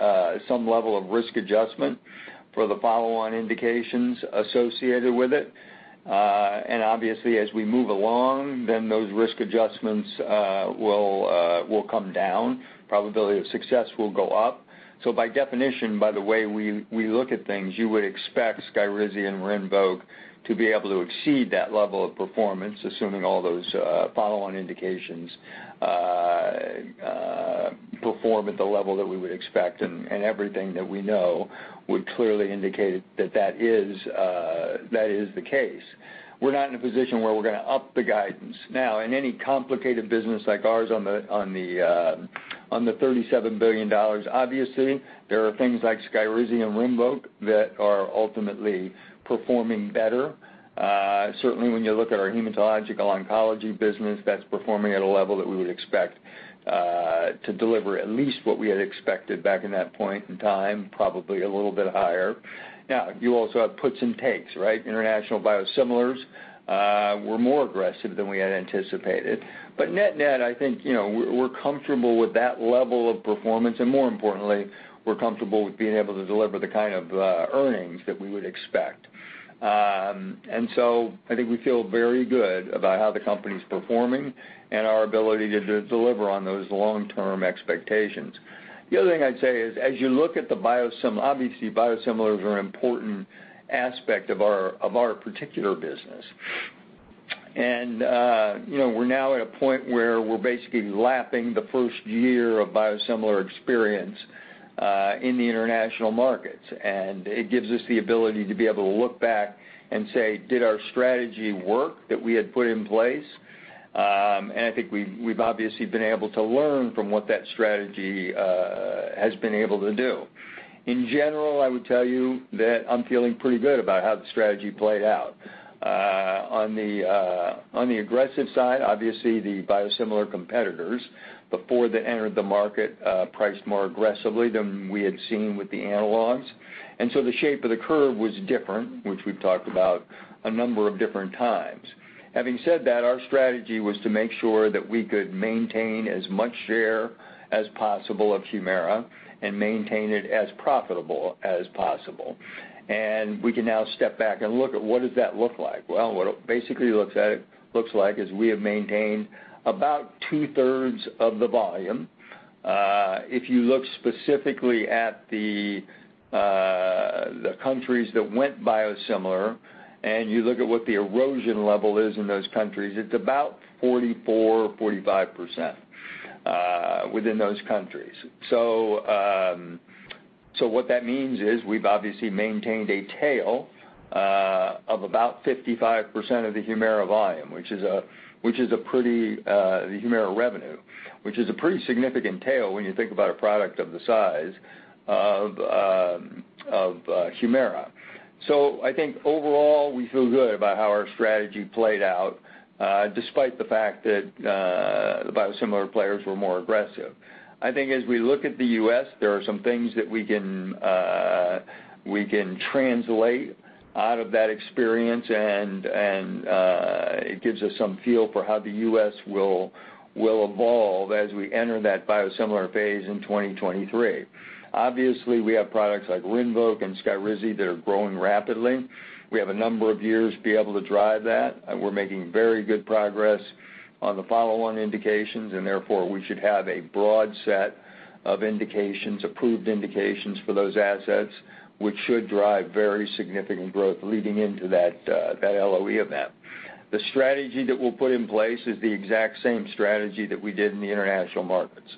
some level of risk adjustment for the follow-on indications associated with it. Obviously, as we move along, those risk adjustments will come down, probability of success will go up. By definition, by the way we look at things, you would expect SKYRIZI and RINVOQ to be able to exceed that level of performance, assuming all those follow-on indications perform at the level that we would expect, everything that we know would clearly indicate that is the case. We're not in a position where we're going to up the guidance. Now, in any complicated business like ours on the $37 billion. Obviously, there are things like SKYRIZI and RINVOQ that are ultimately performing better. Certainly, when you look at our hematological oncology business, that's performing at a level that we would expect to deliver at least what we had expected back in that point in time, probably a little bit higher. You also have puts and takes, right? International biosimilars were more aggressive than we had anticipated. Net-net, I think, we're comfortable with that level of performance, and more importantly, we're comfortable with being able to deliver the kind of earnings that we would expect. I think we feel very good about how the company's performing and our ability to deliver on those long-term expectations. The other thing I'd say is, as you look at the biosim, obviously biosimilars are an important aspect of our particular business. We're now at a point where we're basically lapping the first year of biosimilar experience in the international markets, and it gives us the ability to be able to look back and say, "Did our strategy work that we had put in place?" I think we've obviously been able to learn from what that strategy has been able to do. In general, I would tell you that I'm feeling pretty good about how the strategy played out. On the aggressive side, obviously the biosimilar competitors before they entered the market, priced more aggressively than we had seen with the analogs. The shape of the curve was different, which we've talked about a number of different times. Having said that, our strategy was to make sure that we could maintain as much share as possible of HUMIRA and maintain it as profitable as possible. We can now step back and look at what does that look like? Well, what it basically looks like is we have maintained about two-thirds of the volume. If you look specifically at the countries that went biosimilar, and you look at what the erosion level is in those countries, it is about 44% or 45% within those countries. What that means is we have obviously maintained a tail of about 55% of the HUMIRA volume, the HUMIRA revenue, which is a pretty significant tail when you think about a product of the size of HUMIRA. I think overall, we feel good about how our strategy played out, despite the fact that biosimilar players were more aggressive. I think as we look at the U.S., there are some things that we can translate out of that experience, and it gives us some feel for how the U.S. will evolve as we enter that biosimilar phase in 2023. Obviously, we have products like RINVOQ and SKYRIZI that are growing rapidly. We have a number of years to be able to drive that. We're making very good progress on the follow-on indications, and therefore, we should have a broad set of approved indications for those assets, which should drive very significant growth leading into that LOE event. The strategy that we'll put in place is the exact same strategy that we did in the international markets.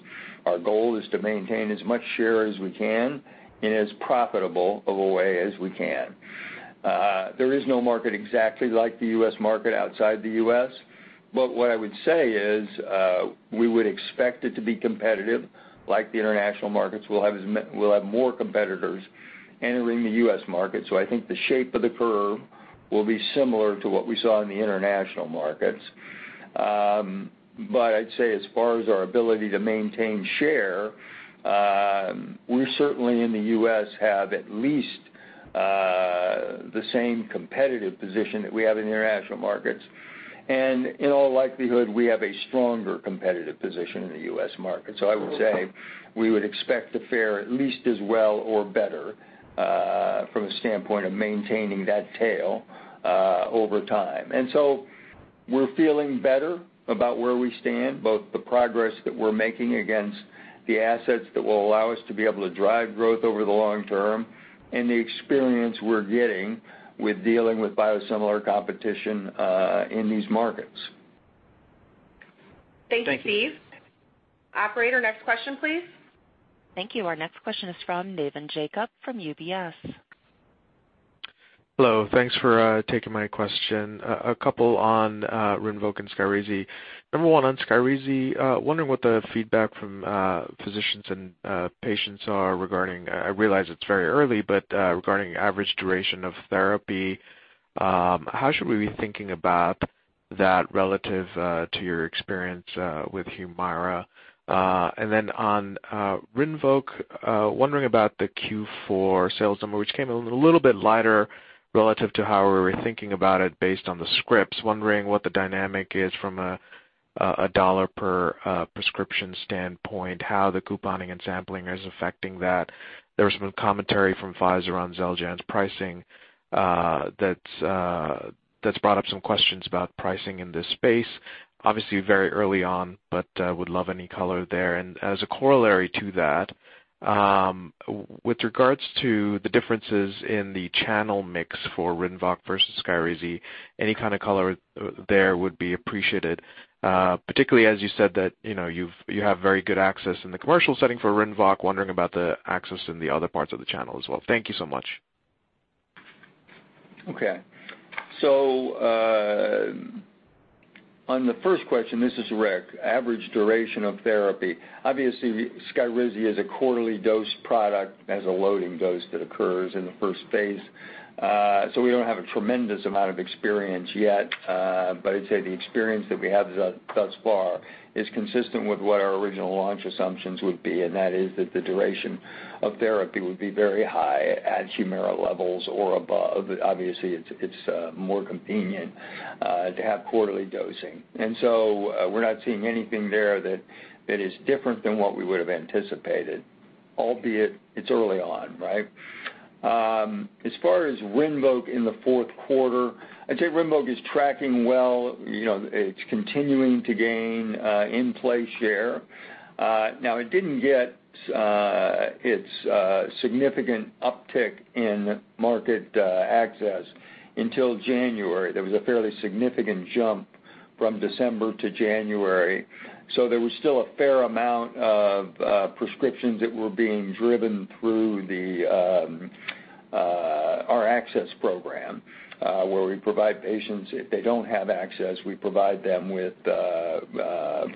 Our goal is to maintain as much share as we can in as profitable of a way as we can. There is no market exactly like the U.S. market outside the U.S. What I would say is, we would expect it to be competitive, like the international markets. We'll have more competitors entering the U.S. market. I think the shape of the curve will be similar to what we saw in the international markets. I'd say as far as our ability to maintain share, we certainly in the U.S. have at least the same competitive position that we have in the international markets. In all likelihood, we have a stronger competitive position in the U.S. market. I would say we would expect to fare at least as well or better, from a standpoint of maintaining that tail over time. We're feeling better about where we stand, both the progress that we're making against the assets that will allow us to be able to drive growth over the long term, and the experience we're getting with dealing with biosimilar competition in these markets. Thank you. Thanks, Steve. Operator, next question, please. Thank you. Our next question is from Navin Jacob from UBS. Hello. Thanks for taking my question. A couple on RINVOQ and SKYRIZI. Number one on SKYRIZI, wondering what the feedback from physicians and patients are regarding average duration of therapy. I realize it's very early, but how should we be thinking about that relative to your experience with HUMIRA? On RINVOQ, wondering about the Q4 sales number, which came in a little bit lighter relative to how we were thinking about it based on the scripts. Wondering what the dynamic is from a dollar per prescription standpoint, how the couponing and sampling is affecting that. There's been commentary from Pfizer on Xeljanz pricing that's brought up some questions about pricing in this space. Obviously very early on, would love any color there. As a corollary to that, with regards to the differences in the channel mix for RINVOQ versus SKYRIZI, any kind of color there would be appreciated. Particularly as you said that you have very good access in the commercial setting for RINVOQ. Wondering about the access in the other parts of the channel as well. Thank you so much. Okay. On the first question, this is Rick, average duration of therapy. SKYRIZI is a quarterly dose product, has a loading dose that occurs in the first phase. We don't have a tremendous amount of experience yet, but I'd say the experience that we have thus far is consistent with what our original launch assumptions would be, and that is that the duration of therapy would be very high at HUMIRA levels or above. It's more convenient to have quarterly dosing. We're not seeing anything there that is different than what we would've anticipated, albeit it's early on, right? As far as RINVOQ in the fourth quarter, I'd say RINVOQ is tracking well. It's continuing to gain in-play share. It didn't get its significant uptick in market access until January. There was a fairly significant jump from December to January, so there was still a fair amount of prescriptions that were being driven through our access program where if they don't have access, we provide them with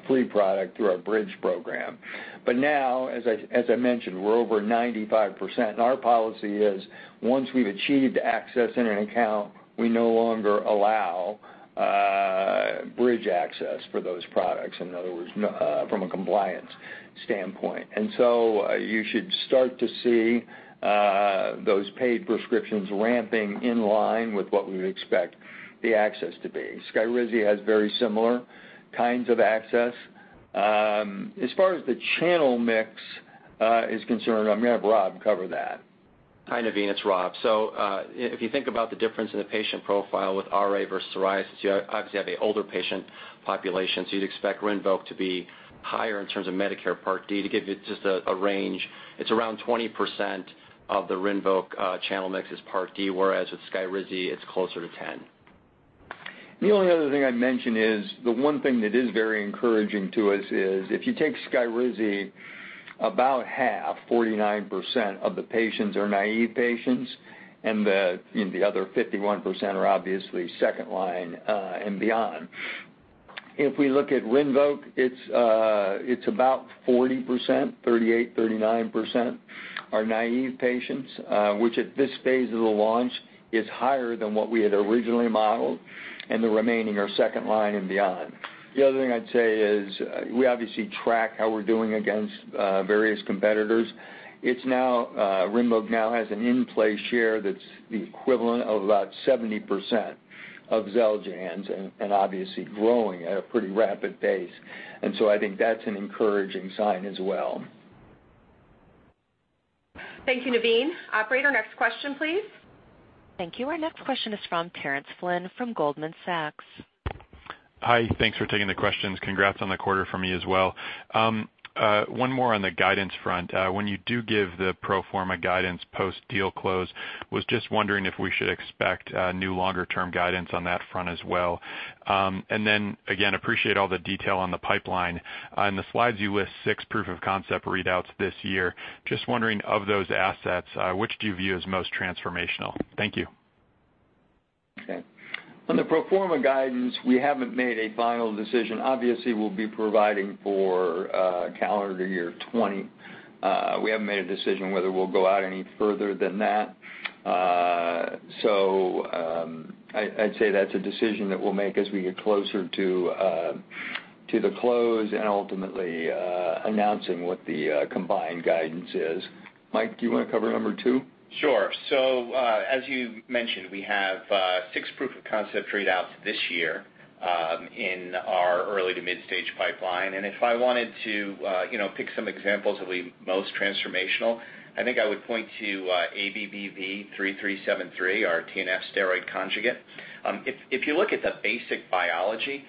free product through our bridge program. Now, as I mentioned, we're over 95%, and our policy is once we've achieved access in an account, we no longer allow bridge access for those products, in other words, from a compliance standpoint. You should start to see those paid prescriptions ramping in line with what we would expect the access to be. SKYRIZI has very similar kinds of access. As far as the channel mix is concerned, I'm going to have Rob cover that. Hi, Navin, it's Rob. If you think about the difference in the patient profile with RA versus psoriasis, you obviously have a older patient population, you'd expect RINVOQ to be higher in terms of Medicare Part D. To give you just a range, it's around 20% of the RINVOQ channel mix is Part D, whereas with SKYRIZI, it's closer to 10. The only other thing I'd mention is the one thing that is very encouraging to us is if you take SKYRIZI, about half, 49% of the patients are naive patients, and the other 51% are obviously second line and beyond. If we look at RINVOQ, it's about 40%, 38%, 39% are naive patients, which at this phase of the launch is higher than what we had originally modeled, and the remaining are second line and beyond. The other thing I'd say is we obviously track how we're doing against various competitors. RINVOQ now has an in-play share that's the equivalent of about 70% of XELJANZ, obviously growing at a pretty rapid pace. I think that's an encouraging sign as well. Thank you, Navin. Operator, next question, please. Thank you. Our next question is from Terence Flynn from Goldman Sachs. Hi. Thanks for taking the questions. Congrats on the quarter from me as well. One more on the guidance front. When you do give the pro forma guidance post-deal close, was just wondering if we should expect new longer-term guidance on that front as well. Again, appreciate all the detail on the pipeline. On the slides, you list six proof of concept readouts this year. Just wondering, of those assets, which do you view as most transformational? Thank you. Okay. On the pro forma guidance, we haven't made a final decision. Obviously, we'll be providing for calendar year 2020. We haven't made a decision whether we'll go out any further than that. I'd say that's a decision that we'll make as we get closer to the close and ultimately announcing what the combined guidance is. Mike, do you want to cover number two? Sure. As you mentioned, we have six proof of concept readouts this year in our early to midstage pipeline. If I wanted to pick some examples that would be most transformational, I think I would point to ABBV-3373, our TNF steroid conjugate. If you look at the basic biology,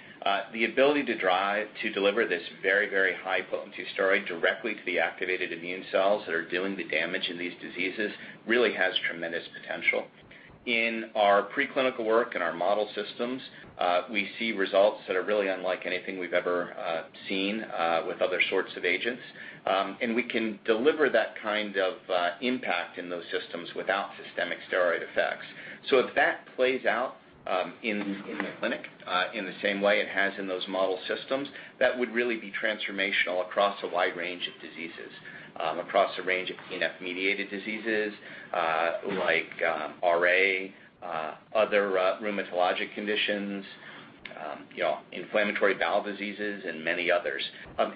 the ability to deliver this very, very high potency steroid directly to the activated immune cells that are doing the damage in these diseases really has tremendous potential. In our preclinical work, in our model systems, we see results that are really unlike anything we've ever seen with other sorts of agents. We can deliver that kind of impact in those systems without systemic steroid effects. If that plays out in the clinic in the same way it has in those model systems, that would really be transformational across a wide range of diseases. Across a range of TNF-mediated diseases, like RA, other rheumatologic conditions, inflammatory bowel diseases, and many others.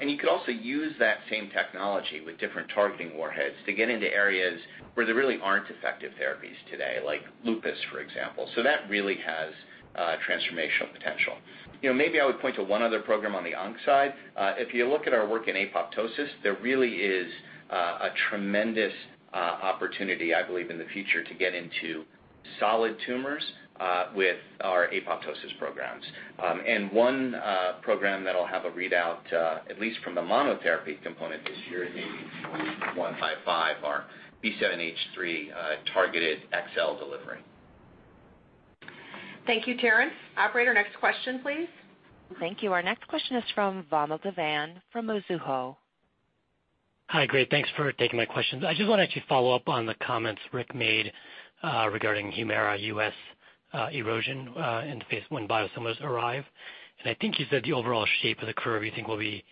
You could also use that same technology with different targeting warheads to get into areas where there really aren't effective therapies today, like lupus, for example. That really has transformational potential. Maybe I would point to one other program on the onc side. If you look at our work in apoptosis, there really is a tremendous opportunity, I believe, in the future to get into solid tumors with our apoptosis programs. One program that'll have a readout, at least from the monotherapy component this year, is ABBV-155, our B7H3 targeted XL delivery. Thank you, Terence. Operator, next question, please. Thank you. Our next question is from Vamil Divan from Mizuho. Hi, great. Thanks for taking my questions. I just want to actually follow up on the comments Rick made regarding Humira U.S. erosion and phase I biosimilars arrive. I think you said the overall shape of the curve you think will be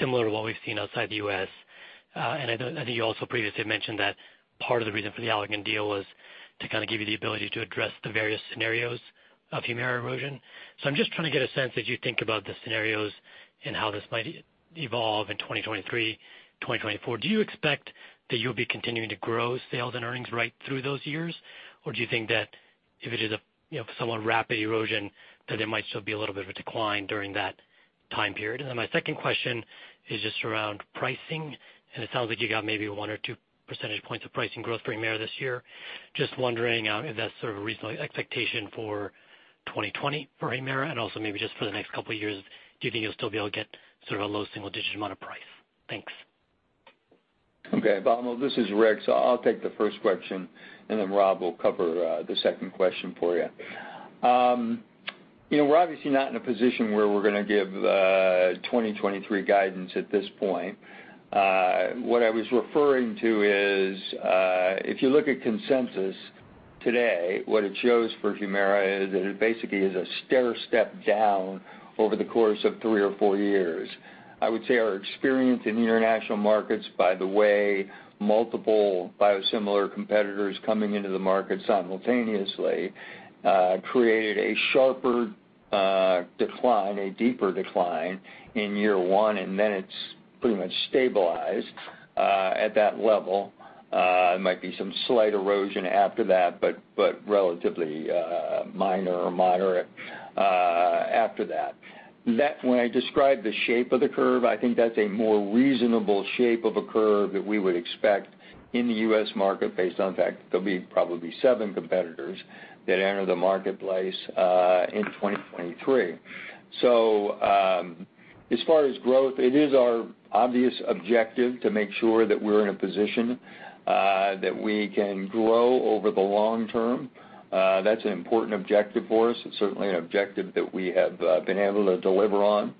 similar to what we've seen outside the U.S. I think you also previously mentioned that part of the reason for the Allergan deal was to kind of give you the ability to address the various scenarios of Humira erosion. I'm just trying to get a sense, as you think about the scenarios and how this might evolve in 2023, 2024, do you expect that you'll be continuing to grow sales and earnings right through those years? Do you think that if it is a somewhat rapid erosion, that there might still be a little bit of a decline during that time period? My second question is just around pricing, and it sounds like you got maybe one or two percentage points of pricing growth for HUMIRA this year. Just wondering if that's sort of a reasonable expectation for 2020 for HUMIRA, and also maybe just for the next couple of years, do you think you'll still be able to get sort of a low single-digit amount of price? Thanks. Okay. Vamil, this is Rick. I'll take the first question, and then Rob will cover the second question for you. We're obviously not in a position where we're going to give 2023 guidance at this point. What I was referring to is, if you look at consensus today, what it shows for HUMIRA is that it basically is a stair step down over the course of three or four years. I would say our experience in the international markets, by the way, multiple biosimilar competitors coming into the market simultaneously, created a sharper decline, a deeper decline in year one, and then it's pretty much stabilized at that level. There might be some slight erosion after that, but relatively minor or moderate after that. When I describe the shape of the curve, I think that's a more reasonable shape of a curve that we would expect in the U.S. market based on the fact that there'll be probably seven competitors that enter the marketplace in 2023. As far as growth, it is our obvious objective to make sure that we're in a position that we can grow over the long term. That's an important objective for us. It's certainly an objective that we have been able to deliver on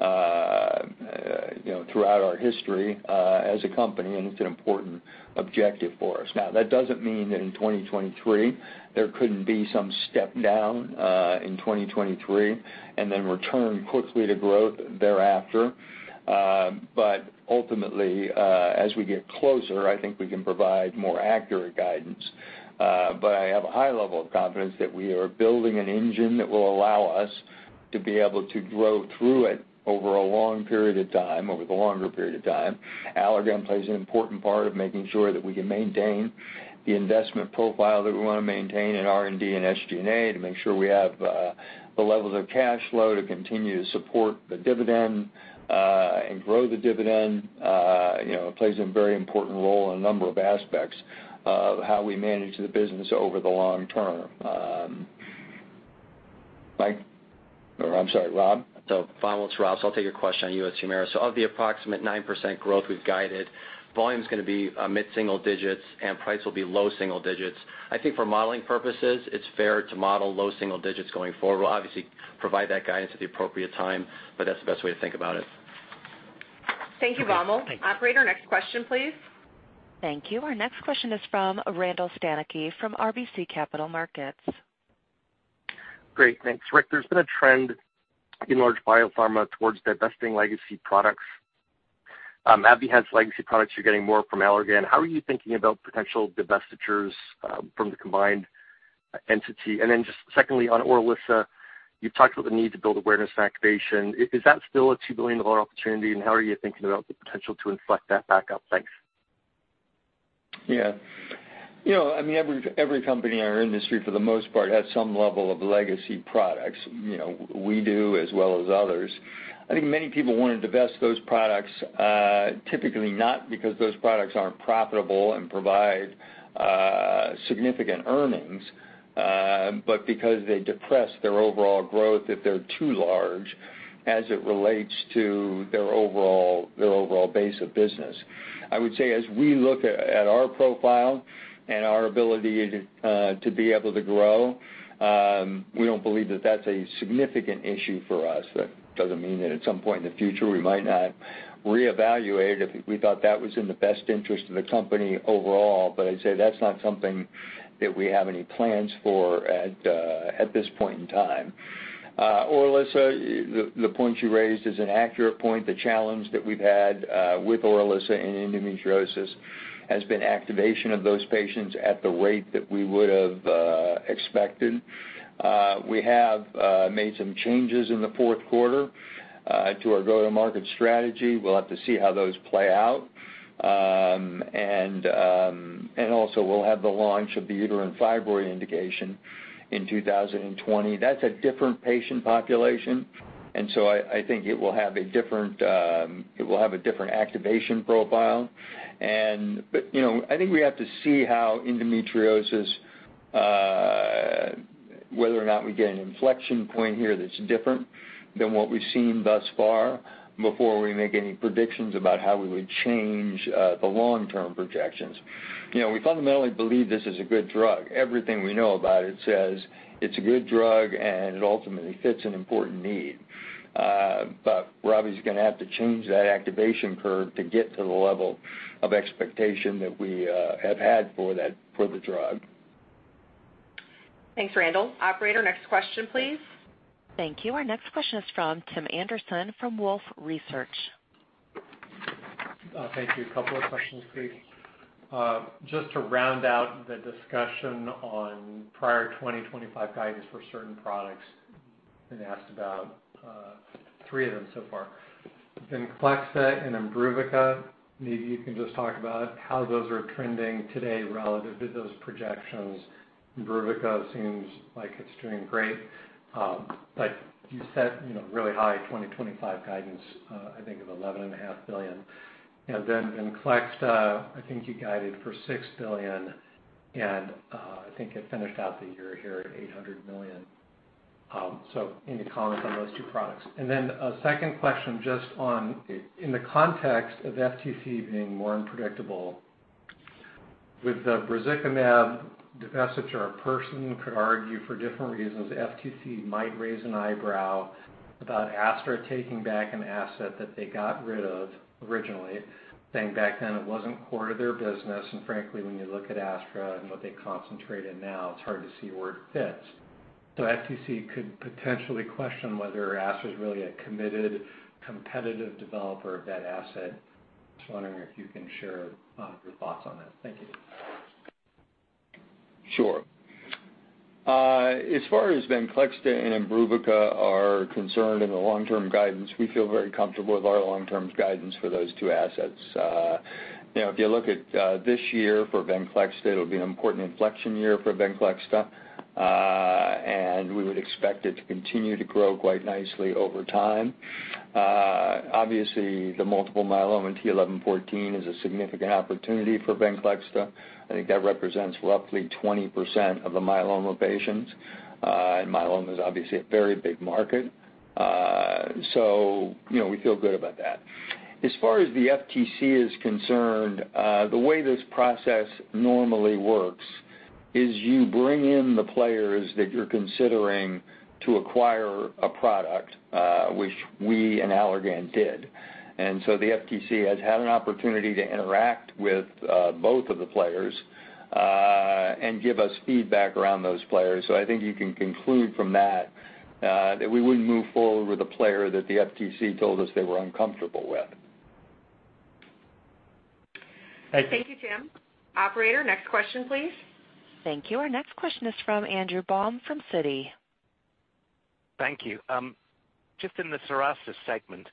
throughout our history as a company, and it's an important objective for us. Now, that doesn't mean that in 2023, there couldn't be some step down in 2023 and then return quickly to growth thereafter. Ultimately, as we get closer, I think we can provide more accurate guidance. I have a high level of confidence that we are building an engine that will allow us to be able to grow through it over a long period of time, over the longer period of time. Allergan plays an important part of making sure that we can maintain the investment profile that we want to maintain in R&D and SG&A to make sure we have the levels of cash flow to continue to support the dividend and grow the dividend. It plays a very important role in a number of aspects of how we manage the business over the long term. Mike? Or I'm sorry, Rob? Vamil, it's Rob. I'll take your question on U.S. HUMIRA. Of the approximate 9% growth we've guided, volume's going to be mid-single digits, and price will be low single digits. I think for modeling purposes, it's fair to model low single digits going forward. We'll obviously provide that guidance at the appropriate time, but that's the best way to think about it. Great. Thanks. Thank you, Vamil. Operator, next question, please. Thank you. Our next question is from Randall Stanicky from RBC Capital Markets. Great. Thanks. Rick, there's been a trend in large biopharma towards divesting legacy products. AbbVie has legacy products, you're getting more from Allergan. How are you thinking about potential divestitures from the combined entity? Just secondly, on ORILISSA, you've talked about the need to build awareness and activation. Is that still a $2 billion opportunity, and how are you thinking about the potential to inflect that back up? Thanks. Yeah. Every company in our industry, for the most part, has some level of legacy products. We do, as well as others. I think many people want to divest those products, typically not because those products aren't profitable and provide significant earnings, but because they depress their overall growth if they're too large as it relates to their overall base of business. I would say as we look at our profile and our ability to be able to grow, we don't believe that that's a significant issue for us. That doesn't mean that at some point in the future we might not reevaluate if we thought that was in the best interest of the company overall. I'd say that's not something that we have any plans for at this point in time. ORILISSA, the point you raised is an accurate point. The challenge that we've had with ORILISSA in endometriosis has been activation of those patients at the rate that we would have expected. We have made some changes in the fourth quarter to our go-to-market strategy. We'll have to see how those play out. We'll have the launch of the uterine fibroid indication in 2020. That's a different patient population, and so I think it will have a different activation profile. I think we have to see how endometriosis, whether or not we get an inflection point here that's different than what we've seen thus far before we make any predictions about how we would change the long-term projections. We fundamentally believe this is a good drug. Everything we know about it says it's a good drug and it ultimately fits an important need. Rob is going to have to change that activation curve to get to the level of expectation that we have had for the drug. Thanks, Randall. Operator, next question, please. Thank you. Our next question is from Tim Anderson from Wolfe Research. Thank you. A couple of questions, please. Asked about three of them so far. VENCLEXTA and IMBRUVICA, maybe you can just talk about how those are trending today relative to those projections. IMBRUVICA seems like it's doing great. You set really high 2025 guidance, I think of $11.5 billion. VENCLEXTA, I think you guided for $6 billion, I think it finished out the year here at $800 million. Any comments on those two products? A second question just on, in the context of FTC being more unpredictable with the brazikumab divestiture, a person could argue for different reasons FTC might raise an eyebrow about Astra taking back an asset that they got rid of originally, saying back then it wasn't core to their business. Frankly, when you look at Astra and what they concentrate in now, it's hard to see where it fits. FTC could potentially question whether Astra is really a committed, competitive developer of that asset. Just wondering if you can share your thoughts on that. Thank you. Sure. As far as VENCLEXTA and IMBRUVICA are concerned in the long-term guidance, we feel very comfortable with our long-term guidance for those two assets. If you look at this year for VENCLEXTA, it'll be an important inflection year for VENCLEXTA. We would expect it to continue to grow quite nicely over time. Obviously, the multiple myeloma in t(11;14) is a significant opportunity for VENCLEXTA. I think that represents roughly 20% of the myeloma patients. Myeloma is obviously a very big market. We feel good about that. As far as the FTC is concerned, the way this process normally works is you bring in the players that you're considering to acquire a product, which we and Allergan did. The FTC has had an opportunity to interact with both of the players, and give us feedback around those players. I think you can conclude from that we wouldn't move forward with a player that the FTC told us they were uncomfortable with. Thank you. Thank you, Tim. Operator, next question, please. Thank you. Our next question is from Andrew Baum from Citi. Thank you. Just in the psoriasis segment,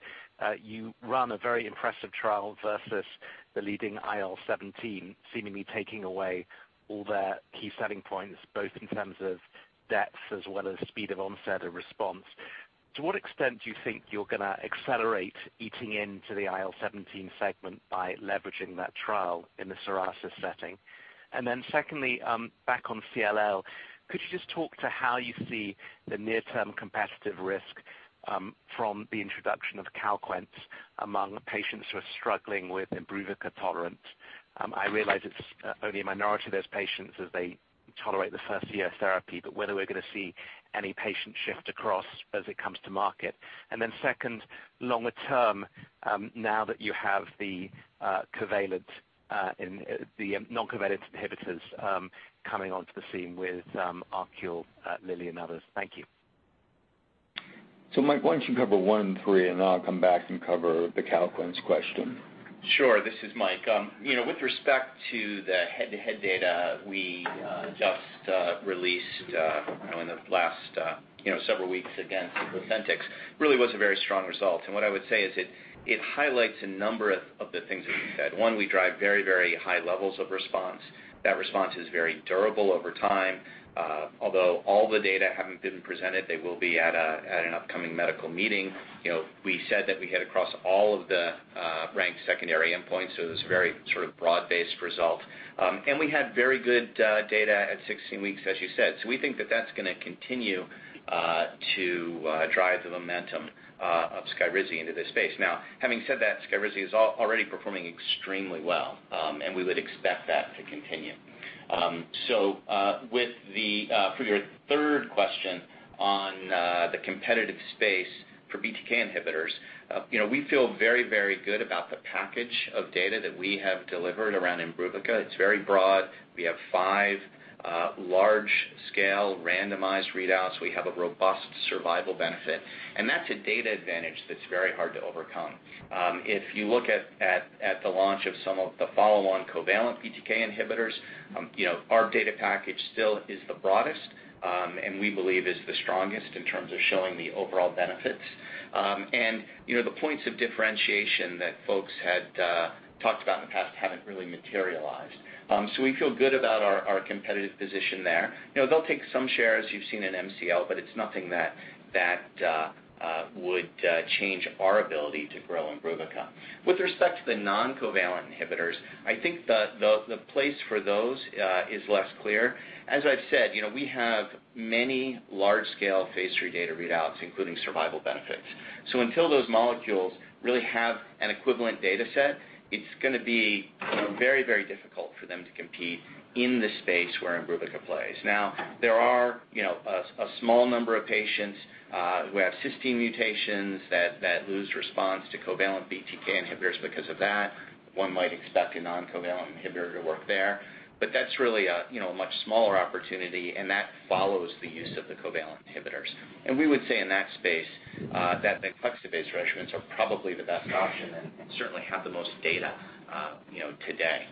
you ran a very impressive trial versus the leading IL-17, seemingly taking away all their key selling points, both in terms of depth as well as speed of onset of response. To what extent do you think you're going to accelerate eating into the IL-17 segment by leveraging that trial in the psoriasis setting? Secondly, back on CLL, could you just talk to how you see the near-term competitive risk from the introduction of Calquence among patients who are struggling with IMBRUVICA tolerance? I realize it's only a minority of those patients as they tolerate the first year of therapy, but whether we're going to see any patient shift across as it comes to market. Second, longer term, now that you have the non-covalent inhibitors coming onto the scene with ArQule, Lilly, and others. Thank you. Mike, why don't you cover one and three, and I'll come back and cover the Calquence question. Sure. This is Mike. With respect to the head-to-head data we just released in the last several weeks against COSENTYX, really was a very strong result. What I would say is it highlights a number of the things that you said. One, we drive very high levels of response. That response is very durable over time. Although all the data haven't been presented, they will be at an upcoming medical meeting. We said that we hit across all of the ranked secondary endpoints, so it was a very sort of broad-based result. We had very good data at 16 weeks, as you said. We think that that's going to continue to drive the momentum of SKYRIZI into this space. Now, having said that, SKYRIZI is already performing extremely well, and we would expect that to continue. For your third question on the competitive space for BTK inhibitors, we feel very good about the package of data that we have delivered around IMBRUVICA. It's very broad. We have five large-scale randomized readouts. We have a robust survival benefit. That's a data advantage that's very hard to overcome. If you look at the launch of some of the follow-on covalent BTK inhibitors, our data package still is the broadest, and we believe is the strongest in terms of showing the overall benefits. The points of differentiation that folks had talked about in the past haven't really materialized. We feel good about our competitive position there. They'll take some share, as you've seen in MCL, but it's nothing that would change our ability to grow IMBRUVICA. With respect to the non-covalent inhibitors, I think the place for those is less clear. As I've said, we have many large-scale phase III data readouts, including survival benefits. Until those molecules really have an equivalent data set, it's going to be very difficult for them to compete in the space where IMBRUVICA plays. Now, there are a small number of patients who have cystine mutations that lose response to covalent BTK inhibitors because of that. One might expect a non-covalent inhibitor to work there. That's really a much smaller opportunity, and that follows the use of the covalent inhibitors. We would say in that space that VENCLEXTA-based regimens are probably the best option and certainly have the most data today.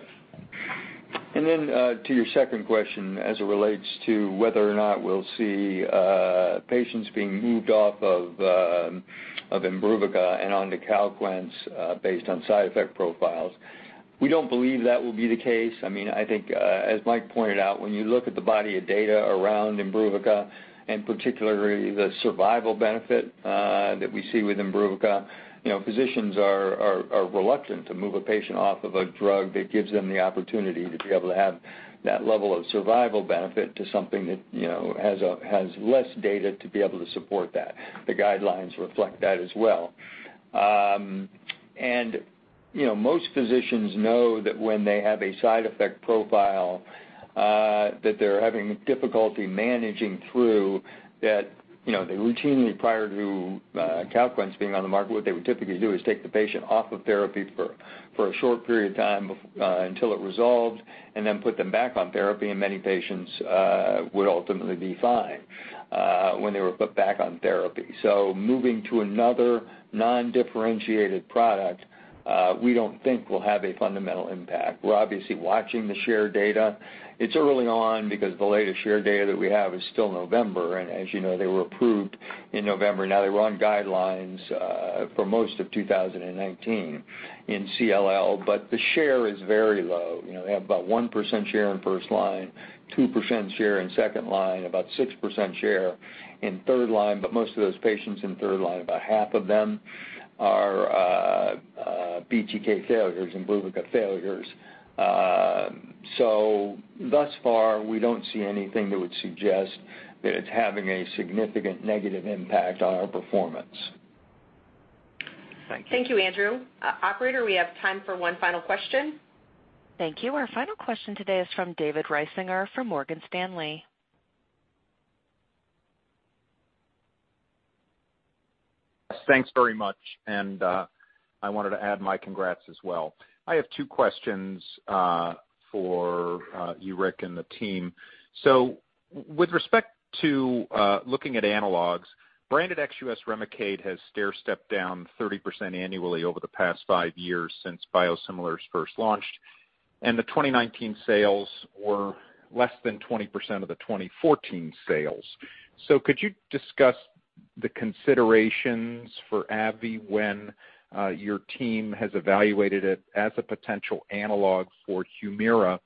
To your second question, as it relates to whether or not we'll see patients being moved off of IMBRUVICA and onto Calquence based on side effect profiles, we don't believe that will be the case. As Mike pointed out, when you look at the body of data around IMBRUVICA, and particularly the survival benefit that we see with IMBRUVICA, physicians are reluctant to move a patient off of a drug that gives them the opportunity to be able to have that level of survival benefit to something that has less data to be able to support that. The guidelines reflect that as well. Most physicians know that when they have a side effect profile that they're having difficulty managing through that, they routinely, prior to Calquence being on the market, what they would typically do is take the patient off of therapy for a short period of time until it resolved and then put them back on therapy, and many patients would ultimately be fine when they were put back on therapy. Moving to another non-differentiated product, we don't think will have a fundamental impact. We're obviously watching the share data. It's early on because the latest share data that we have is still November, and as you know, they were approved in November. They were on guidelines for most of 2019 in CLL, but the share is very low. They have about 1% share in first-line, 2% share in second-line, about 6% share in third-line. Most of those patients in third-line, about half of them are BTK failures, IMBRUVICA failures. Thus far, we don't see anything that would suggest that it's having a significant negative impact on our performance. Thank you. Thank you, Andrew. Operator, we have time for one final question. Thank you. Our final question today is from David Risinger, from Morgan Stanley. Thanks very much. I wanted to add my congrats as well. I have two questions for you, Rick, and the team. With respect to looking at analogs, branded ex-U.S. REMICADE has stairstepped down 30% annually over the past five years since biosimilars first launched, and the 2019 sales were less than 20% of the 2014 sales. Could you discuss the considerations for AbbVie when your team has evaluated it as a potential analog for HUMIRA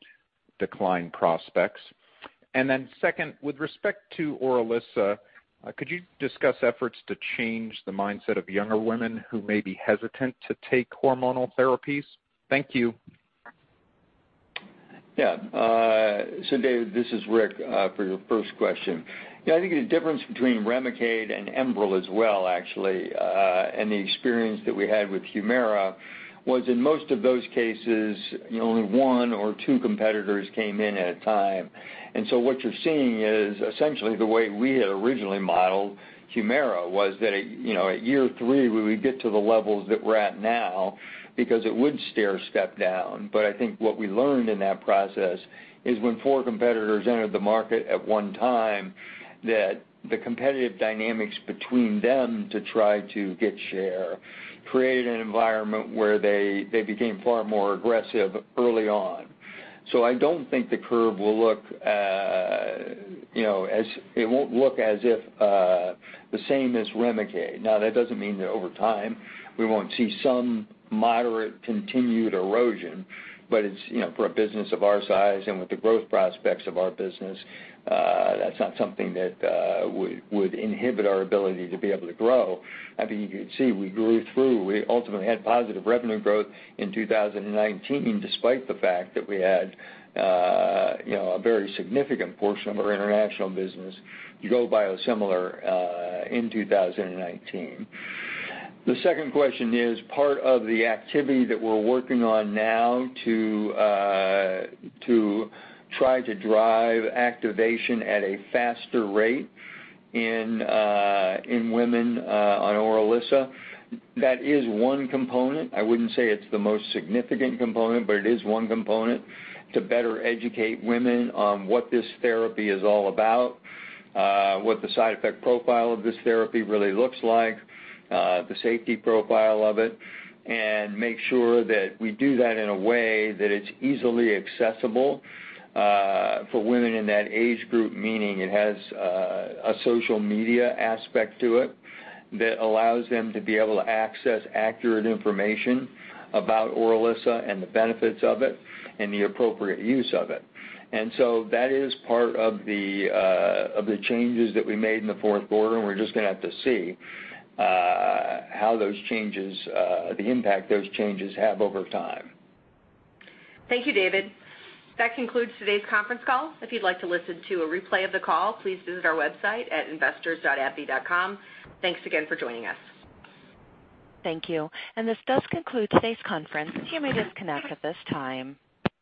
decline prospects? Second, with respect to ORILISSA, could you discuss efforts to change the mindset of younger women who may be hesitant to take hormonal therapies? Thank you. Yeah. David, this is Rick, for your first question. Yeah, I think the difference between REMICADE and ENBREL as well, actually, and the experience that we had with HUMIRA was in most of those cases, only one or two competitors came in at a time. What you're seeing is essentially the way we had originally modeled HUMIRA was that at year three, we would get to the levels that we're at now because it would stairstep down. I think what we learned in that process is when four competitors entered the market at one time, that the competitive dynamics between them to try to get share created an environment where they became far more aggressive early on. I don't think the curve will look as if the same as REMICADE. Now, that doesn't mean that over time, we won't see some moderate continued erosion, but for a business of our size and with the growth prospects of our business, that's not something that would inhibit our ability to be able to grow. You could see we grew through. We ultimately had positive revenue growth in 2019, despite the fact that we had a very significant portion of our international business go biosimilar in 2019. The second question is part of the activity that we're working on now to try to drive activation at a faster rate in women on ORILISSA. That is one component. I wouldn't say it's the most significant component, but it is one component to better educate women on what this therapy is all about, what the side effect profile of this therapy really looks like, the safety profile of it, and make sure that we do that in a way that it's easily accessible for women in that age group, meaning it has a social media aspect to it that allows them to be able to access accurate information about ORILISSA and the benefits of it and the appropriate use of it. That is part of the changes that we made in the fourth quarter, and we're just going to have to see the impact those changes have over time. Thank you, David. That concludes today's conference call. If you'd like to listen to a replay of the call, please visit our website at investors.abbvie.com. Thanks again for joining us. Thank you. This does conclude today's conference. You may disconnect at this time.